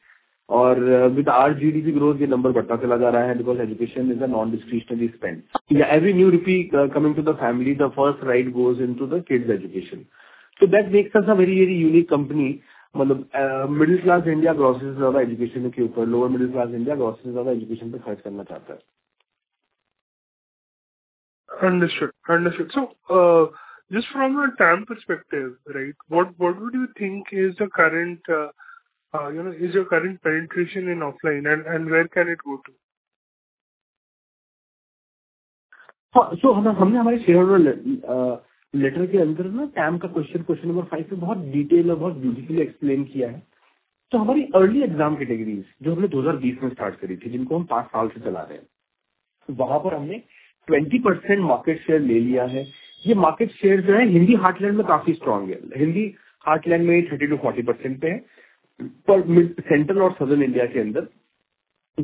और with our GDP growth, ये number बढ़ता से लगा जा रहा है because education is a non-discretionary spend. Every new rupee coming to the family, the first right goes into the kids education. So that makes us a very, very unique company, मतलब, middle class India grosses ज्यादा education के ऊपर, lower middle class India grosses ज्यादा education पर खर्च करना चाहता है। Understood, understood. Just from a TAM perspective, right? What would you think is the current, you know, is your current penetration in offline and where can it go to? हमने हमारे shareholder letter के अंदर ना TAM का question number five में बहुत detail और बहुत beautifully explain किया है। हमारी early exam categories, जो हमने 2020 में start करी थी, जिनको हम five साल से चला रहे हैं, वहां पर हमने 20% market share ले लिया है। ये market share जो है, Hindi heartland में काफी strong है। Hindi heartland में 30%-40% पे है, पर mid, Central India and Southern India के अंदर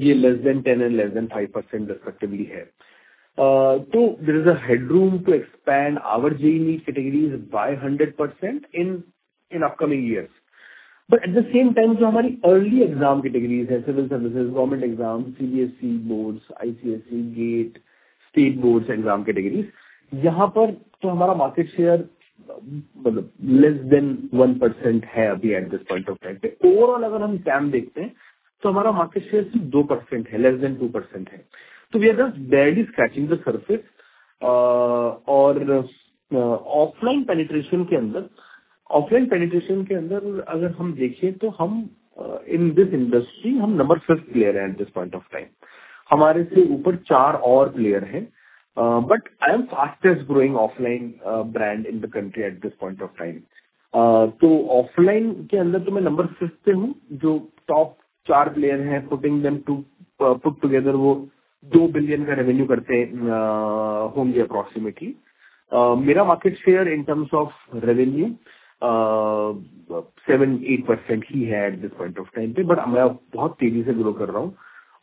ये less than 10% and less than 5% respectively है। there is a headroom to expand our JEE categories by 100% in upcoming years. At the same time, जो हमारी early exam categories हैं, Civil Services, Government Exams, CBSE Boards, ICSE, GATE, State Boards Exam categories, यहां पर तो हमारा market share, मतलब less than 1% है अभी at this point of time. Overall, अगर हम TAM देखते हैं, तो हमारा market share सिर्फ 2%, less than 2% है. We are just barely scratching the surface, और, offline penetration के अंदर, offline penetration के अंदर अगर हम देखें तो हम, in this industry, हम number fifth player हैं at this point of time. हमारे से ऊपर four और player हैं, but I am fastest growing offline brand in the country at this point of time. तो offline के अंदर तो मैं number fifth पे हूँ। जो top four player हैं, putting them to put together वो $2 billion का revenue करते होंगे approximately. मेरा market share in terms of revenue 7%-8% ही है at this point of time पे, but मैं बहुत तेजी से grow कर रहा हूँ।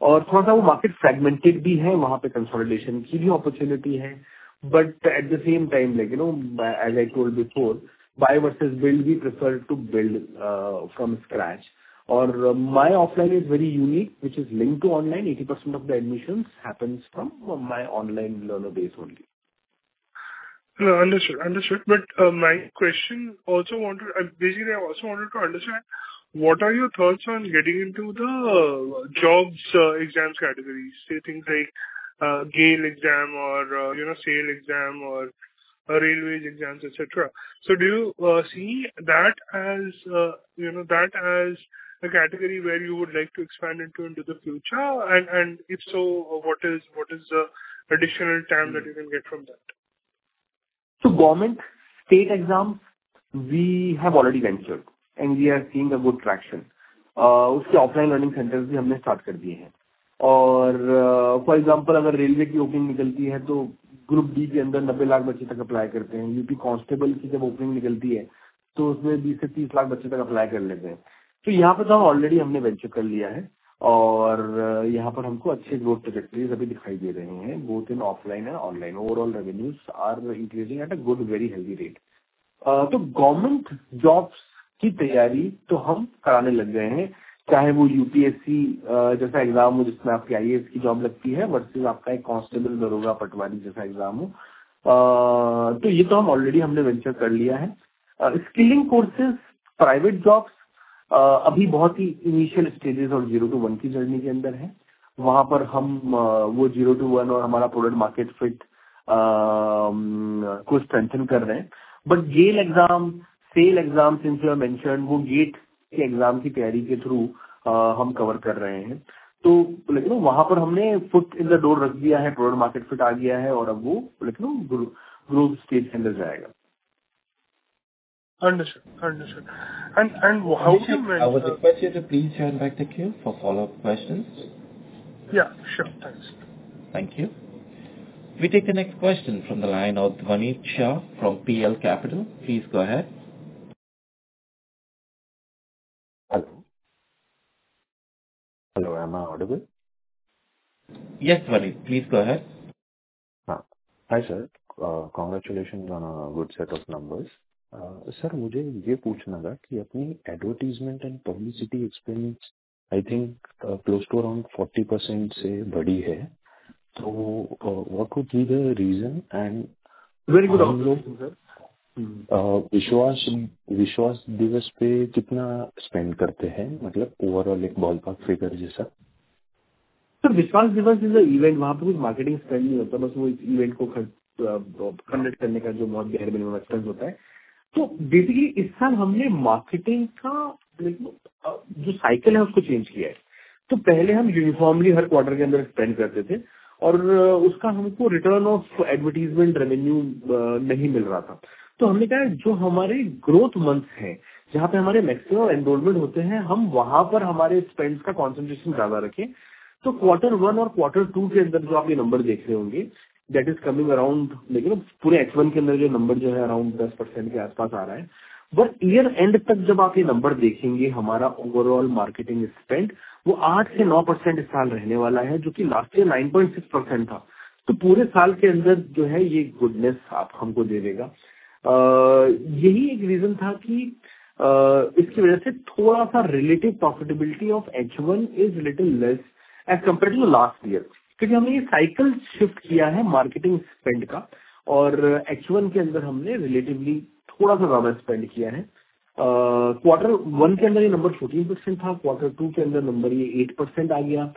और थोड़ा सा वो market fragmented भी है, वहां पे consolidation की भी opportunity है। But at the same time, like you know, as I told before, buy versus build, we prefer to build from scratch. Or my offline is very unique, which is linked to online. 80% of the admissions happens from my online learner base only. Understood, understood. My question also wanted to understand what are your thoughts on getting into the jobs, exams categories? Say, things like GAIL exam or, you know, SAIL exam or railways exams, etc. Do you see that as, you know, that as a category where you would like to expand into, into the future? If so, what is the additional TAM that you can get from that? Government state exams, we have already ventured and we are seeing a good traction. उसके offline learning centers भी हमने start कर दिए हैं। For example, अगर railway की opening निकलती है, तो Group D के अंदर 90 lakh बच्चे तक apply करते हैं। UP constable की जब opening निकलती है, तो उसमें 20-30 lakh बच्चे तक apply कर लेते हैं। यहां पर तो already हमने venture कर लिया है और यहां पर हमको अच्छे growth trajectories अभी दिखाई दे रहे हैं, both in offline and online. Overall revenues are increasing at a good, very healthy rate. तो government jobs की तैयारी तो हम कराने लग गए हैं, चाहे वो UPSC जैसा exam हो, जिसमें आपकी IAS की job लगती है versus आपका एक constable, दरोगा, पटवारी जैसा exam हो. तो ये तो हम already हमने venture कर लिया है. Skilling courses, private jobs, अभी बहुत ही initial stages और zero to one की journey के अंदर हैं. वहां पर हम वो zero to one और हमारा product market fit को strengthen कर रहे हैं. GAIL exam, SAIL exam, since you have mentioned, वो GATE exam की तैयारी के through हम cover कर रहे हैं. You know, वहां पर हमने foot in the door रख दिया है, product market fit आ गया है और अब वो, you know, growth stage में जाएगा. Understood, understood and how to- I was request you to please join back the queue for follow up questions. Yeah, sure, thanks. Thank you. We take the next question from the line of Dhvanit Shah from PL Capital. Please go ahead. Hello, hello, am I audible? Yes, Dhvanit please go ahead. Hi sir, congratulations on a good set of numbers. Sir, मुझे ये पूछना था कि अपनी advertisement and publicity experience, I think close to around 40% से बड़ी है, तो what could be the reason and? Very good. विश्वास, Vishwas Diwas पर कितना spend करते हैं? मतलब overall एक ballpark figure जैसा। Sir, Vishwas Diwas is an event. वहां पर कुछ marketing spend नहीं होता। बस वो एक event को conduct करने का जो बहुत minimum expense होता है। Basically, इस साल हमने marketing का जो cycle है, उसको change किया है। पहले हम uniformly हर quarter के अंदर spend करते थे और उसका हमको return of advertisement revenue नहीं मिल रहा था। हमने कहा जो हमारे growth months हैं, जहां पर हमारे maximum enrollment होते हैं, हम वहां पर हमारे spends का concentration ज्यादा रखें। Quarter one और quarter two के अंदर जो आप ये नंबर देख रहे होंगे, that is coming around. पूरे H1 के अंदर जो नंबर जो है, around 10% के आसपास आ रहा है। बस year-end तक जब आप ये नंबर देखेंगे, हमारा overall marketing spend वो 8%-9% इस साल रहने वाला है, जो कि last year 9.6% था। पूरे साल के अंदर जो है, ये goodness आप हमको दे देगा। यही एक reason था कि इसकी वजह से थोड़ा सा relative profitability of H1 is little less as compared to last year, क्योंकि हमने ये cycle shift किया है marketing spend का और H1 के अंदर हमने relatively थोड़ा सा कम spend किया है। quarter one के अंदर ये number 14% था, quarter two के अंदर number ये 8% आ गया।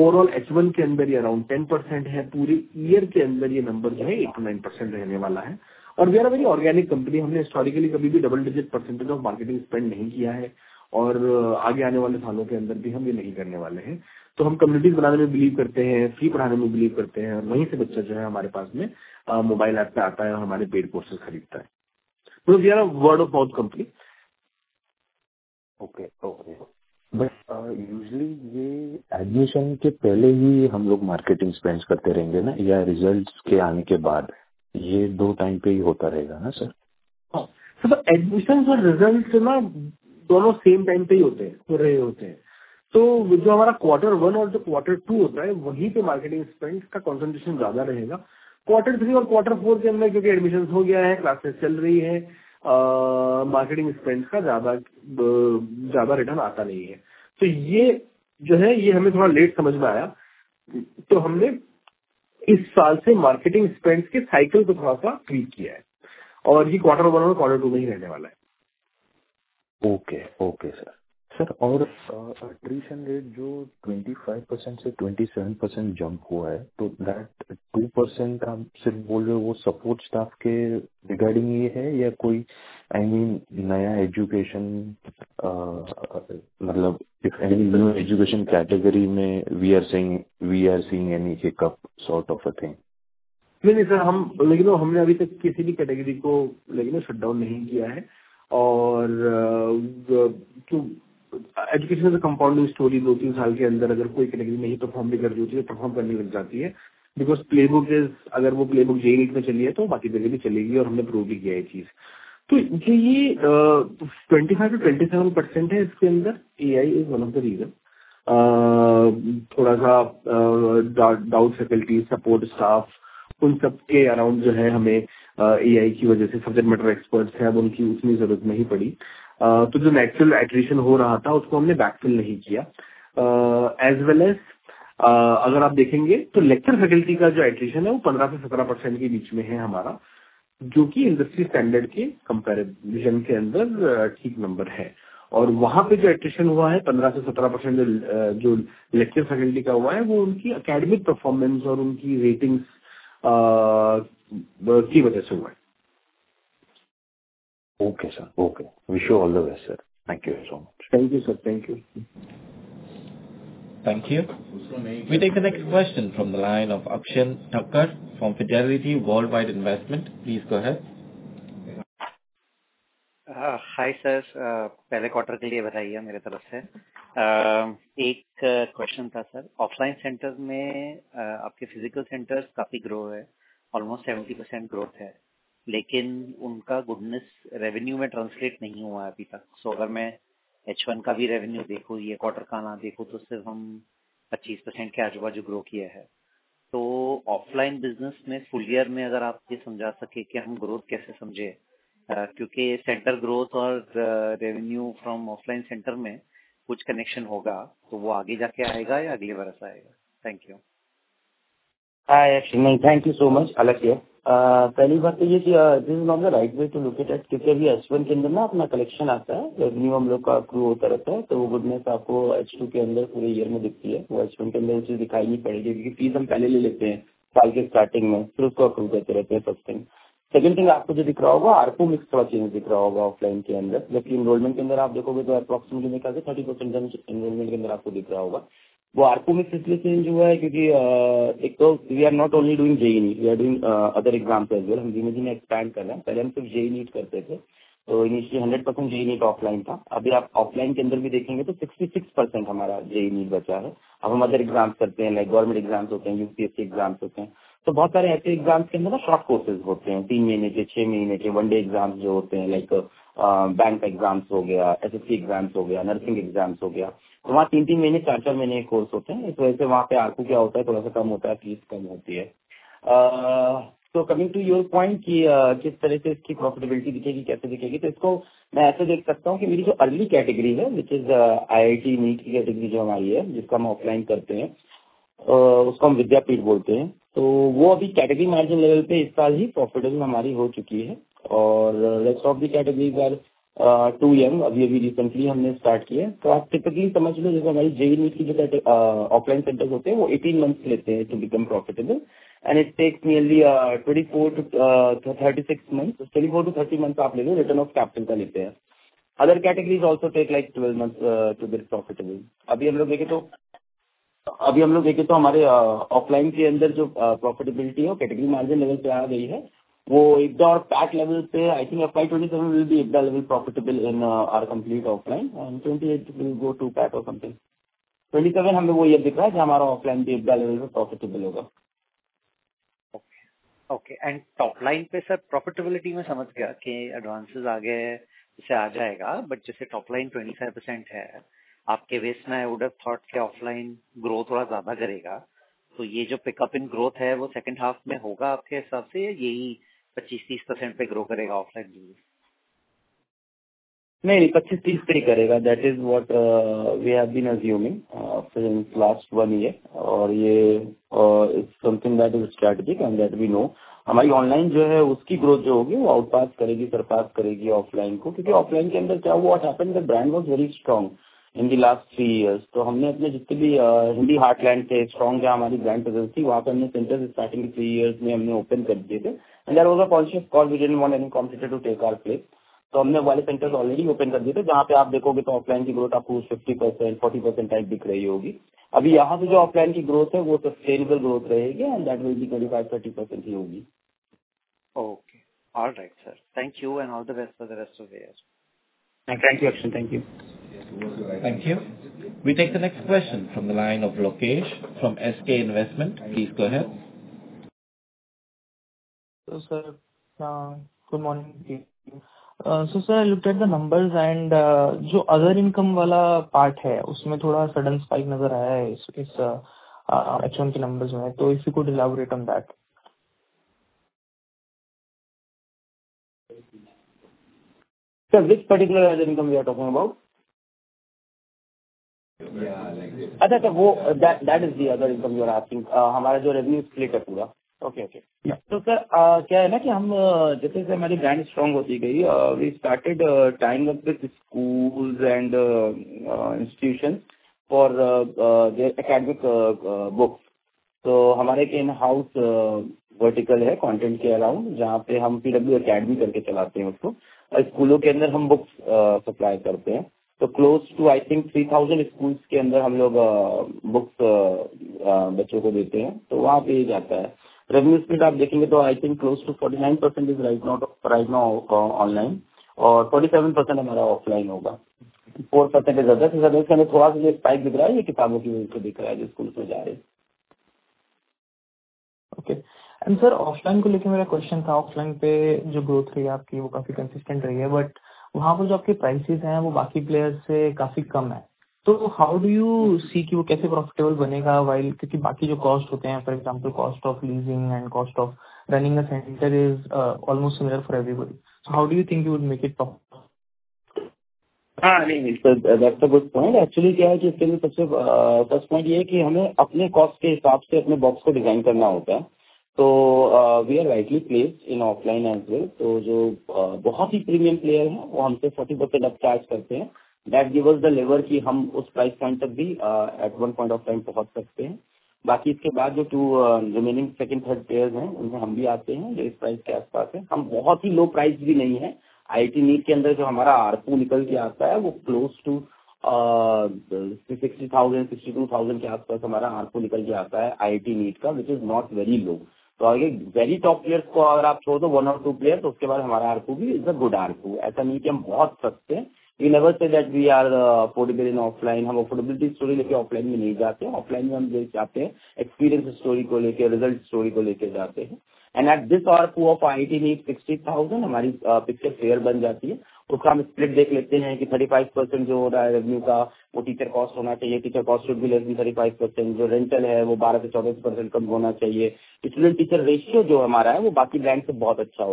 overall H1 के अंदर ये around 10% है। पूरे year के अंदर ये number जो है, 8%-9% रहने वाला है और we are very organic company. हमने historically कभी भी double-digit percentage of marketing spend नहीं किया है और आगे आने वाले सालों के अंदर भी हम ये नहीं करने वाले हैं। तो हम community बनाने में believe करते हैं, fee बढ़ाने में believe करते हैं और वहीं से बच्चा जो है, हमारे पास में mobile app पर आता है और हमारे paid courses खरीदता है। We are a word of mouth company. Okay, okay. Usually ये admission के पहले ही हम लोग marketing spends करते रहेंगे ना या results के आने के बाद, ये दो time पर ही होता रहेगा ना sir? Sir, admission और results ना दोनों same time पर ही होते हैं, हो रहे होते हैं। जो हमारा quarter one और जो quarter two होता है, वहीं पर marketing spends का concentration ज्यादा रहेगा। quarter three और quarter four के अंदर क्योंकि admission हो गया है, classes चल रही हैं। marketing spends का ज्यादा return आता नहीं है। ये जो है, ये हमें थोड़ा late समझ में आया। हमने इस साल से marketing spends के cycle को थोड़ा सा clean किया है और ये quarter one और quarter two में ही रहने वाला है। Okay, okay sir. Sir और attrition rate जो 25%-27% jump हुआ है तो that 2% आप सिर्फ बोल रहे हो, support staff के regarding ही है या कोई I mean नया education मतलब different education category में we are saying, we are seeing any hiccup sort of a thing? नहीं नहीं sir, हम लेकिन हमने अभी तक किसी भी category को लेकिन shut down नहीं किया है और education is a compound story. Two to three साल के अंदर अगर कोई category नहीं perform भी कर रही होती, perform करने लग जाती है because playbook is अगर वो playbook JEE में चली है तो बाकी जगह भी चलेगी और हमने prove भी किया है ये चीज। ये 25%-27% है, इसके अंदर AI is one of the reason थोड़ा सा doubt faculty, support staff, उन सबके around जो है हमें AI की वजह से subject matter experts हैं, अब उनकी उतनी जरूरत नहीं पड़ी। जो natural attrition हो रहा था, उसको हमने backfill नहीं किया. As well as अगर आप देखेंगे तो lecture faculty का जो attrition है, वो 15%-17% के बीच में है हमारा, जो कि industry standard के comparison के अंदर ठीक number है। वहां पर जो attrition हुआ है, 15%-17% जो lecture faculty का हुआ है, वो उनकी academic performance और उनकी ratings की वजह से हुआ है। Okay sir, okay, wish you all the best, sir. Thank you so much. Thank you, sir. Thank you. Thank you. We take the next question from the line of Aakshi Thakur from Fidelity Worldwide Investment. Please go ahead. Hi sir, पहले quarter के लिए बधाई है मेरे तरफ से. एक question था sir, offline centers में आपके physical centers काफी grow है. Almost 70% growth है, लेकिन उनका goodness revenue में translate नहीं हुआ है अभी तक. अगर मैं H1 का भी revenue देखूं, ये quarter का ना देखूं, तो सिर्फ हम 25% के आजू बाजू grow किया है. Offline business में full year में अगर आप ये समझा सकें कि हम growth कैसे समझें? Center growth और revenue from offline center में कुछ connection होगा तो वह आगे जाकर आएगा या अगले वर्ष आएगा? Thank you. Hi, thank you so much, Aakshi. पहली बात तो ये कि this is not the right way to look at it, क्योंकि H1 के अंदर ना अपना collection आता है. Revenue हम लोग का grow होता रहता है तो goodness आपको H2 के अंदर पूरे year में दिखती है. वो H1 के अंदर दिखाई नहीं पड़ेगी, क्योंकि fees हम पहले ले लेते हैं, साल के starting में, फिर उसका use करते रहते हैं, everything.... Second thing आपको जो दिख रहा होगा, ARPU में थोड़ा चेंज दिख रहा होगा ऑफलाइन के अंदर लेकिन एनरोलमेंट के अंदर आप देखोगे तो एप्रोक्सीमेटली लगभग 30% एनरोलमेंट के अंदर आपको दिख रहा होगा. वो ARPU में सिर्फ चेंज हुआ है क्योंकि एक तो we are not only doing JEE we are doing other exam, as well. हम धीरे धीरे एक्सपैंड कर रहे हैं. पहले हम सिर्फ JEE NEET करते थे तो इनिशियली 100% JEE NEET ऑफलाइन था. अभी आप ऑफलाइन के अंदर भी देखेंगे तो 66% हमारा JEE NEET बचा है. अब हम अदर एग्जाम करते हैं, लाइक गवर्नमेंट एग्जाम होते हैं, UPSC एग्जाम होते हैं तो बहुत सारे ऐसे एग्जाम के अंदर शॉर्ट कोर्सेस होते हैं. 3 महीने के, six महीने के one-day exam जो होते हैं, लाइक बैंक एग्जाम हो गया, SSC एग्जाम हो गया, नर्सिंग एग्जाम हो गया. तो वहां three महीने, four महीने के कोर्स होते हैं. इस वजह से वहां पर ARPU क्या होता है, थोड़ा सा कम होता है, फीस कम होती है. Coming to your point की किस तरह से इसकी प्रॉफिटेबिलिटी दिखेगी, कैसे दिखेगी? इसको मैं ऐसे देख सकता हूं कि मेरी जो अर्ली कैटेगरी है, which is IIT NEET category जो हमारी है, जिसका हम ऑफलाइन करते हैं, उसको हम Vidyapeeth बोलते हैं तो वो अभी कैटेगरी मार्जिन लेवल पे इस साल ही प्रॉफिटेबल हमारी हो चुकी है और rest of the categories are too young. अभी recently हमने स्टार्ट किया है आप typical समझ लो. जैसे हमारी JEE NEET की जो ऑफलाइन सेंटर होते हैं, वो 18 months लेते हैं, to become profitable and it takes nearly 24-36 months, 24-30 months आप लेते हो, रिटर्न ऑफ कैपिटल का लेते हैं. Other categories also take like 12 months to be profitable. अभी हम लोग देखेंगे अभी हम लोग देखें तो हमारे ऑफलाइन के अंदर जो profitability है, कैटेगरी मार्जिन लेवल पे आ गई है. वो एक बार PAT लेवल से I think by 2027 will be level profitable in our complete offline and 2028 will go to PAT or something 2027 हमें वो यह दिख रहा है कि हमारा ऑफलाइन भी लेवल प्रॉफिटेबल होगा. Okay, okay. Top line पे सर profitability मैं समझ गया कि advances आ गए। इसे आ जाएगा। जैसे top line 27% है, आपके बेस में आई वुड हैव थॉट के offline growth थोड़ा ज्यादा करेगा तो यह जो pickup in growth है, वह second half में होगा? आपके हिसाब से यही 25%-30% पे grow करेगा offline भी? नहीं, 25-30 पे ही करेगा। That is what we have been zooming last one year. यह something that is strategic and we know. हमारी ऑनलाइन जो है, उसकी ग्रोथ जो होगी, वो आउटपास करेगी, सरपास करेगी ऑफलाइन को क्योंकि ऑफलाइन के अंदर क्या हुआ? What happen brand was very strong in the last three years. हमने अपने जितने भी Hindi heartland से स्ट्रांग है, हमारी brand प्रेजेंस थी, वहां पर हमने सेंटर्स स्टार्टिंग three years में हमने ओपन कर दिए थे. There was a conscious call. We did not want any competitor to take our place. हमने one centers ऑलरेडी ओपन कर दिए थे। जहां पर आप देखोगे तो ऑफलाइन की ग्रोथ आपको 50%-40% टाइप दिख रही होगी। अभी यहां से जो ऑफलाइन की ग्रोथ है, वो तो स्टेबल ग्रोथ रहेगी. That will be 25%-20% ही होगी। Okay, alright sir, thank you and all the best for the rest of the year. Thank you! Thank you. Thank you. We take the next question from the line of Lokesh from SK Investment please go ahead. Sir, good morning sir! I looked at the numbers and जो other income वाला part है, उसमें थोड़ा सडेन spike नजर आया है। इस ため के नंबर्स में तो if you could elaborate on that. Sir, which particular income we are talking about? अच्छा सर, वो that is the other income you are asking. हमारा जो रेवेन्यू स्प्लिट है। Okay, okay. सर, क्या है ना कि हम जैसे जैसे हमारी ब्रांड स्ट्रांग होती गई। We started tying up with school and institution for academic books. हमारे इन हाउस वर्टिकल है। कंटेंट के अराउंड जहां पर हम PW Academy करके चलाते हैं, उसको स्कूलों के अंदर हम बुक्स सप्लाई करते हैं। क्लोज to I think 3,000 स्कूलों के अंदर हम लोग बुक्स बच्चों को देते हैं तो वहां पे ये जाता है। रेवेन्यू स्प्लिट आप देखेंगे तो I think close to 49% is right now right now online और 47% हमारा ऑफलाइन होगा। 4% is other, इसमें थोड़ा सा स्पाइक दिख रहा है। ये किताबों की वजह से दिख रहा है, जो स्कूलों में जा रही है। सर, ऑफलाइन को लेकर मेरा क्वेश्चन था। ऑफलाइन पे जो ग्रोथ हुई है, आपकी वो काफी कंसिस्टेंट रही है। वहां पर जो आपकी prices हैं, वो बाकी प्लेयर्स से काफी कम है। हाउ डू यू सी कि वो कैसे profitable बनेगा? While क्योंकि बाकी जो cost होते हैं, for example cost of leasing and cost of running a centre is almost same for everybody। How do you think you will make it top? हां नहीं नहीं, sir, that is a good point. Actually क्या है कि इसमें first point ये है कि हमें अपने कॉस्ट के हिसाब से अपने बॉक्स को डिजाइन करना होता है तो we are rightly place in offline as well. तो जो बहुत ही प्रीमियम प्लेयर हैं, वो हमसे फोर्टी परसेंट अधिक चार्ज करते हैं। दैट गिव्स द लेवर की हम उस प्राइस पॉइंट तक भी at one point of time पहुंच सकते हैं। बाकी इसके बाद जो two remaining second third players हैं, उनमें हम भी आते हैं। इस प्राइस के आसपास हम बहुत ही लो प्राइस भी नहीं है। आईआईटी नीट के अंदर जो हमारा आरपू निकल के आता है वो close to sixty thousand sixty two thousand के आसपास हमारा आरपू निकल के आता है। आईआईटी नीट का which is not very low. तो वेरी टॉप प्लेयर्स को अगर आप छोड़ दो, वन और टू प्लेयर तो उसके बाद हमारा आरपू भी इज अ गुड आरपू। ऐसा नहीं है कि हम बहुत सस्ते हैं। इन levels that we are forty percent offline हम अफोर्डेबिलिटी स्टोरी लेकर ऑफलाइन में नहीं जाते। ऑफलाइन में हम जाते हैं एक्सपीरियंस स्टोरी को लेकर, रिजल्ट स्टोरी को लेकर जाते हैं and at this ARPU of IIT NEET sixty thousand. हमारी पिक्चर क्लियर बन जाती है। उसका हम स्प्लिट देख लेते हैं कि थर्टी फाइव परसेंट जो हो रहा है, रेवेन्यू का वो टीचर कॉस्ट होना चाहिए। टीचर कॉस्ट शुड बी लेकिन थर्टी फाइव परसेंट जो रेंटल है, वो बारह से चौदह परसेंट कम होना चाहिए। स्टूडेंट टीचर रेशियो जो हमारा है, वो बाकी ब्रांड से बहुत अच्छा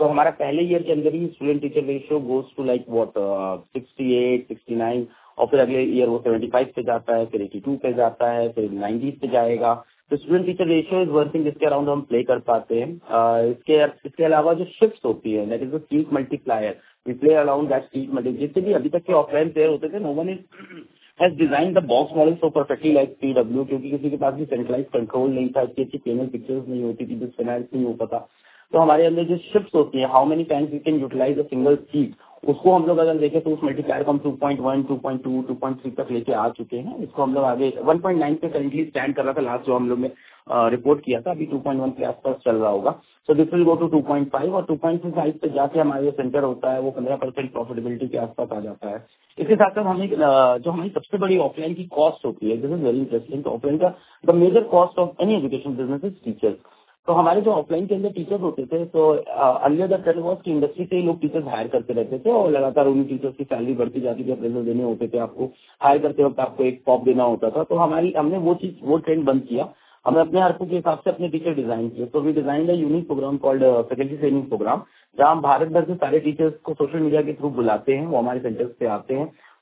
होता है। स्टूडेंट टीचर रेशो यह होता है कि एक टीचर कितने बच्चों को पढ़ा सकता है। तो हमारा पहले ईयर के अंदर ही student teacher ratio goes to like what sixty eight sixty nine और फिर अगले ईयर वो सेवेंटी फाइव पे जाता है, फिर एटी टू पे जाता है, फिर नाइंटी पे जाएगा। तो student teacher ratio is one thing, जिसके अराउंड हम प्ले कर पाते हैं। इसके इसके अलावा जो शिफ्ट्स होती है, that is the peak multiplier we play around that. मतलब जितने भी अभी तक के ऑफलाइन प्लेयर होते थे, no one is.... Has designed the box model so perfectly like PW क्योंकि किसी के पास भी centralized control नहीं था, किसी की payment pictures नहीं होती थी, जो finance नहीं हो पाता। तो हमारे अंदर जो शिफ्स होती हैं, how many times we can utilize a single seat उसको हम लोग अगर देखें तो उस में क्या हम 2.1, 2.2, 2.3 तक लेकर आ चुके हैं। इसको हम लोग आगे 1.9 पे currently stand कर रहा था। Last जो हम लोगों ने रिपोर्ट किया था, अभी 2.1 के आसपास चल रहा होगा। This will go to 2.5 और 2.5 से जाकर हमारे ये center होता है। वो 15% profitability के आसपास आ जाता है। इसके साथ साथ हमें जो हमारी सबसे बड़ी offline की cost होती है, this is very interesting। Offline का the major cost of any education business is teachers. तो हमारे जो offline के अंदर teachers होते थे, early the trend was कि industry से ही लोग teachers hire करते रहते थे और लगातार उन्हीं teachers की salary बढ़ती जाती थी। Appraisal देने होते थे, आपको hire करते वक्त आपको एक पॉब देना होता था। हमने वो चीज, वो trend बंद किया। हमने अपने आर्को के हिसाब से अपने teacher design किए। We design a unique program called Faculty Training Program, जहां हम Bharat भर से सारे teachers को social media के through बुलाते हैं। वो हमारे centers पे आते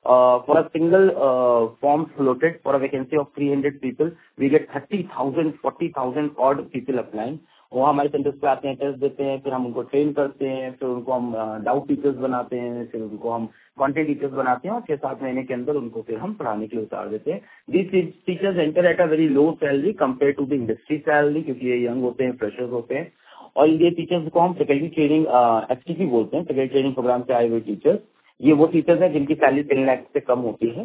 हैं। For a single form floated for a vacancy of 300 people, we get 30,000, 40,000 odd people apply। वो हमारे centers पे आते हैं, test देते हैं, फिर हम उनको train करते हैं। फिर उनको हम doubt teachers बनाते हैं। फिर उनको हम quantity teacher बनाते हैं और फिर 7 महीने के अंदर उनको फिर हम पढ़ाने के लिए उतार देते हैं। These teachers enter at a very low salary compared to the industry salary क्योंकि ये young होते हैं, freshers होते हैं और इन teacher को हम Faculty Training FTP बोलते हैं। Faculty Training Program से आए हुए teacher, ये वो teacher हैं जिनकी salary INR 10 lakh से कम होती है।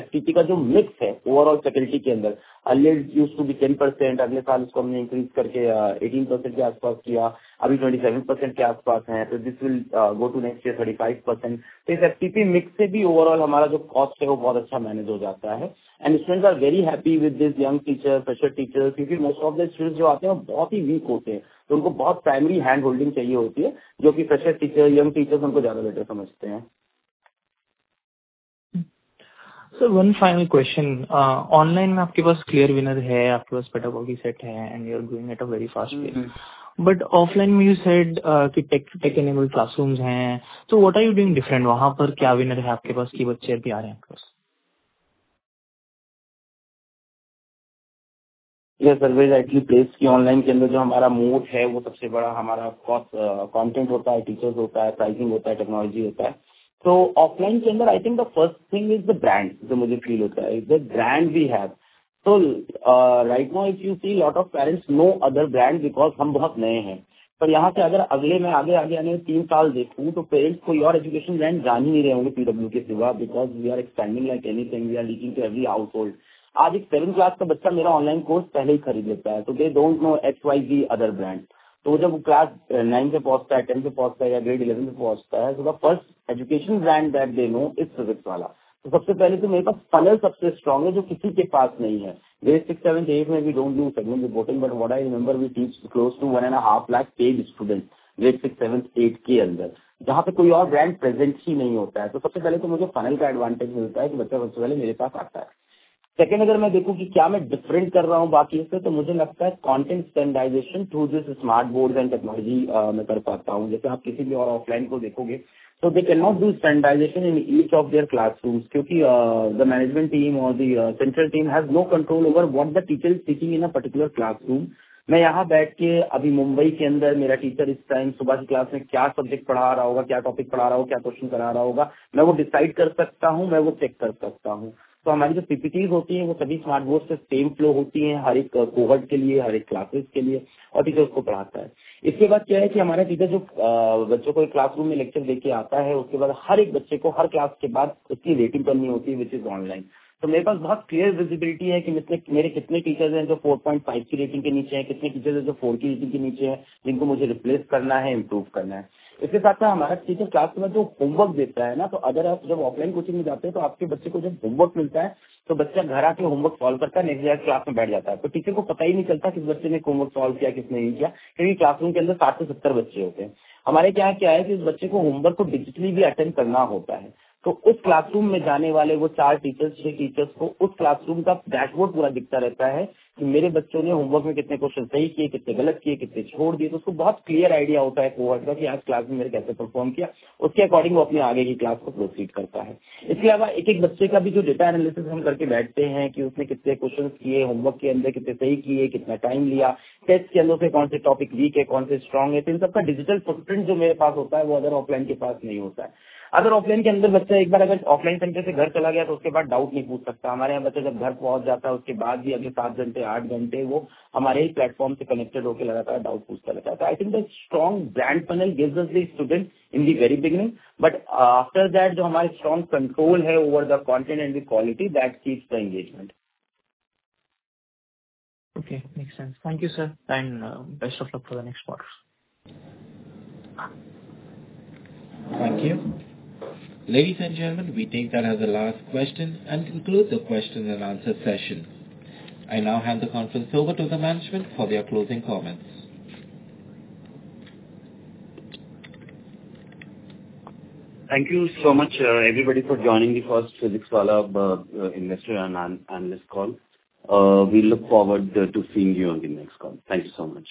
FTP का जो mix है, overall faculty के अंदर early used to be 10%. अगले साल इसको हमने increase करके 18% के आसपास किया। अभी 27% के आसपास है। This will go to next year 35%. इस FTP mix से भी overall हमारा जो cost है, वो बहुत अच्छा manage हो जाता है and students are very happy with this young teacher, fresher teacher क्योंकि most of the students जो आते हैं, वो बहुत ही weak होते हैं। उनको बहुत family hand holding चाहिए होती है, जो कि fresher teacher young teacher उनको ज्यादा better समझते हैं। Sir one final question online में आपके पास क्लियर विनर है, आपके पास Pedagogy सेट है and you are doing at a very fast pace. Offline में यू सेड कि टेक इनेबल क्लासरूम हैं। What are you doing different? वहां पर क्या विनर है आपके पास कि बच्चे अभी आ रहे हैं आपके पास? ये सर्विस राइटली प्लेस की ऑनलाइन के अंदर जो हमारा moat है, वो सबसे बड़ा हमारा of course कंटेंट होता है, teachers होता है, प्राइसिंग होता है, टेक्नोलॉजी होता है। ऑफलाइन के अंदर I think the first thing is the brand, जो मुझे फील होता है, the brand we have. Right now if you see lot of parents no other brand, because हम बहुत नए हैं। पर यहां से अगर अगले मैं आगे आगे यानी 3 years देखूं, तो पेरेंट्स कोई और एजुकेशन ब्रांड जान ही नहीं रहे होंगे, PW के सिवा। Because we are expanding like anything, we are reaching to every household. आज एक 10th class का बच्चा मेरा ऑनलाइन कोर्स पहले ही खरीद लेता है, so they don't know any other brand. तो जब वो class nine से पहुंचता है, 10 से पहुंचता है या grade 11 में पहुंचता है, so the first education brand that they know is Physics Wallah. तो सबसे पहले तो मेरे पास funnel सबसे स्ट्रांग है, जो किसी के पास नहीं है। grade six, seven, eight में we don't do segmental botting. What I remember, we teach close to 1.5 lakh paid student, grade six, seven, eight के अंदर, जहां पे कोई और ब्रांड present ही नहीं होता है। तो सबसे पहले तो मुझे funnel का advantage मिलता है कि बच्चा सबसे पहले मेरे पास आता है। अगर मैं देखूं कि क्या मैं different कर रहा हूं बाकियों से, तो मुझे लगता है content standardization through this smart board and technology मैं कर पाता हूं। आप किसी भी और ऑफलाइन को देखोगे, they cannot do standardization in each of the classroom, क्योंकि द मैनेजमेंट टीम और the central team have no control over what the teacher teachers in a particular classroom. मैं यहां बैठ के अभी मुंबई के अंदर मेरा टीचर इस टाइम सुबह की क्लास में क्या सब्जेक्ट पढ़ा रहा होगा, क्या टॉपिक पढ़ा रहा होगा, क्या क्वेश्चन करा रहा होगा, मैं वो डिसाइड कर सकता हूं। मैं वो चेक कर सकता हूं। हमारी जो पीपीटी होती हैं, वो सभी स्मार्ट बोर्ड से सेम फ्लो होती हैं। हर एक कोहोर्ट के लिए, हर एक क्लासेस के लिए, टीचर उसको पढ़ाता है। इसके बाद क्या है कि हमारा टीचर जो बच्चों को क्लासरूम में लेक्चर लेकर आता है, उसके बाद हर एक बच्चे को हर क्लास के बाद उसकी रेटिंग करनी होती है, व्हिच इज ऑनलाइन। मेरे पास बहुत क्लियर विजिबिलिटी है कि मेरे कितने टीचर हैं, जो 4.5 की रेटिंग के नीचे हैं। कितने टीचर हैं, जो four की रेटिंग के नीचे हैं, जिनको मुझे रिप्लेस करना है, इंप्रूव करना है। इसके साथ साथ हमारा टीचर क्लास में जो होमवर्क देता है ना, अगर आप जब ऑफलाइन कोचिंग में जाते हैं, तो आपके बच्चे को जब होमवर्क मिलता है, तो बच्चा घर आकर होमवर्क सॉल्व करता है, नेक्स्ट डे क्लास में बैठ जाता है। टीचर को पता ही नहीं चलता कि इस बच्चे ने होमवर्क सॉल्व किया, किसने नहीं किया। क्योंकि क्लासरूम के अंदर seven से 70 बच्चे होते हैं। हमारे क्या-क्या है कि उस बच्चे को होमवर्क को डिजिटली भी अटेंड करना होता है। उस क्लासरूम में जाने वाले वो four टीचर्स, six टीचर्स को उस क्लासरूम का डैशबोर्ड पूरा दिखता रहता है कि मेरे बच्चों ने होमवर्क में कितने क्वेश्चन सही किए, कितने गलत किए, कितने छोड़ दिए। उसको बहुत क्लियर आइडिया होता है। कोहोर्ट का कि आज क्लास में मैंने कैसे परफॉर्म किया। उसके अकॉर्डिंग वो अपनी आगे की क्लास को प्रोसीड करता है। इसके अलावा एक बच्चे का भी जो डेटा एनालिसिस हम करके बैठते हैं कि उसने कितने क्वेश्चन किए, होमवर्क के अंदर कितने सही किए, कितना टाइम लिया, टेस्ट के अंदर से कौन से टॉपिक वीक है, कौन से स्ट्रांग हैं। इन सबका डिजिटल फुटप्रिंट जो मेरे पास होता है, वो अगर ऑफलाइन के पास नहीं होता है। ऑफलाइन के अंदर बच्चा एक बार अगर ऑफलाइन सेंटर से घर चला गया, तो उसके बाद डाउट नहीं पूछ सकता। हमारे यहां बच्चा जब घर पहुंच जाता है, उसके बाद भी अगले seven घंटे, eight घंटे वो हमारे प्लेटफॉर्म से कनेक्टेड होकर लगातार डाउट पूछता रहता है। I think the strong brand panel gives us the students in the very beginning, after that, जो हमारी स्ट्रांग कंट्रोल है over the content and quality that keeps the engagement. Okay, make sense. Thank you sir and best of luck for the next quarter! Thank you. Ladies and gentleman, we take that as the last question and conclude the question and answer session. I now have the conference over to the management for the closing comments. Thank you so much everybody for joining, because Physics Wallah investor and analyst call. Uh- we look forward to seeing you on the next call. Thank you so much!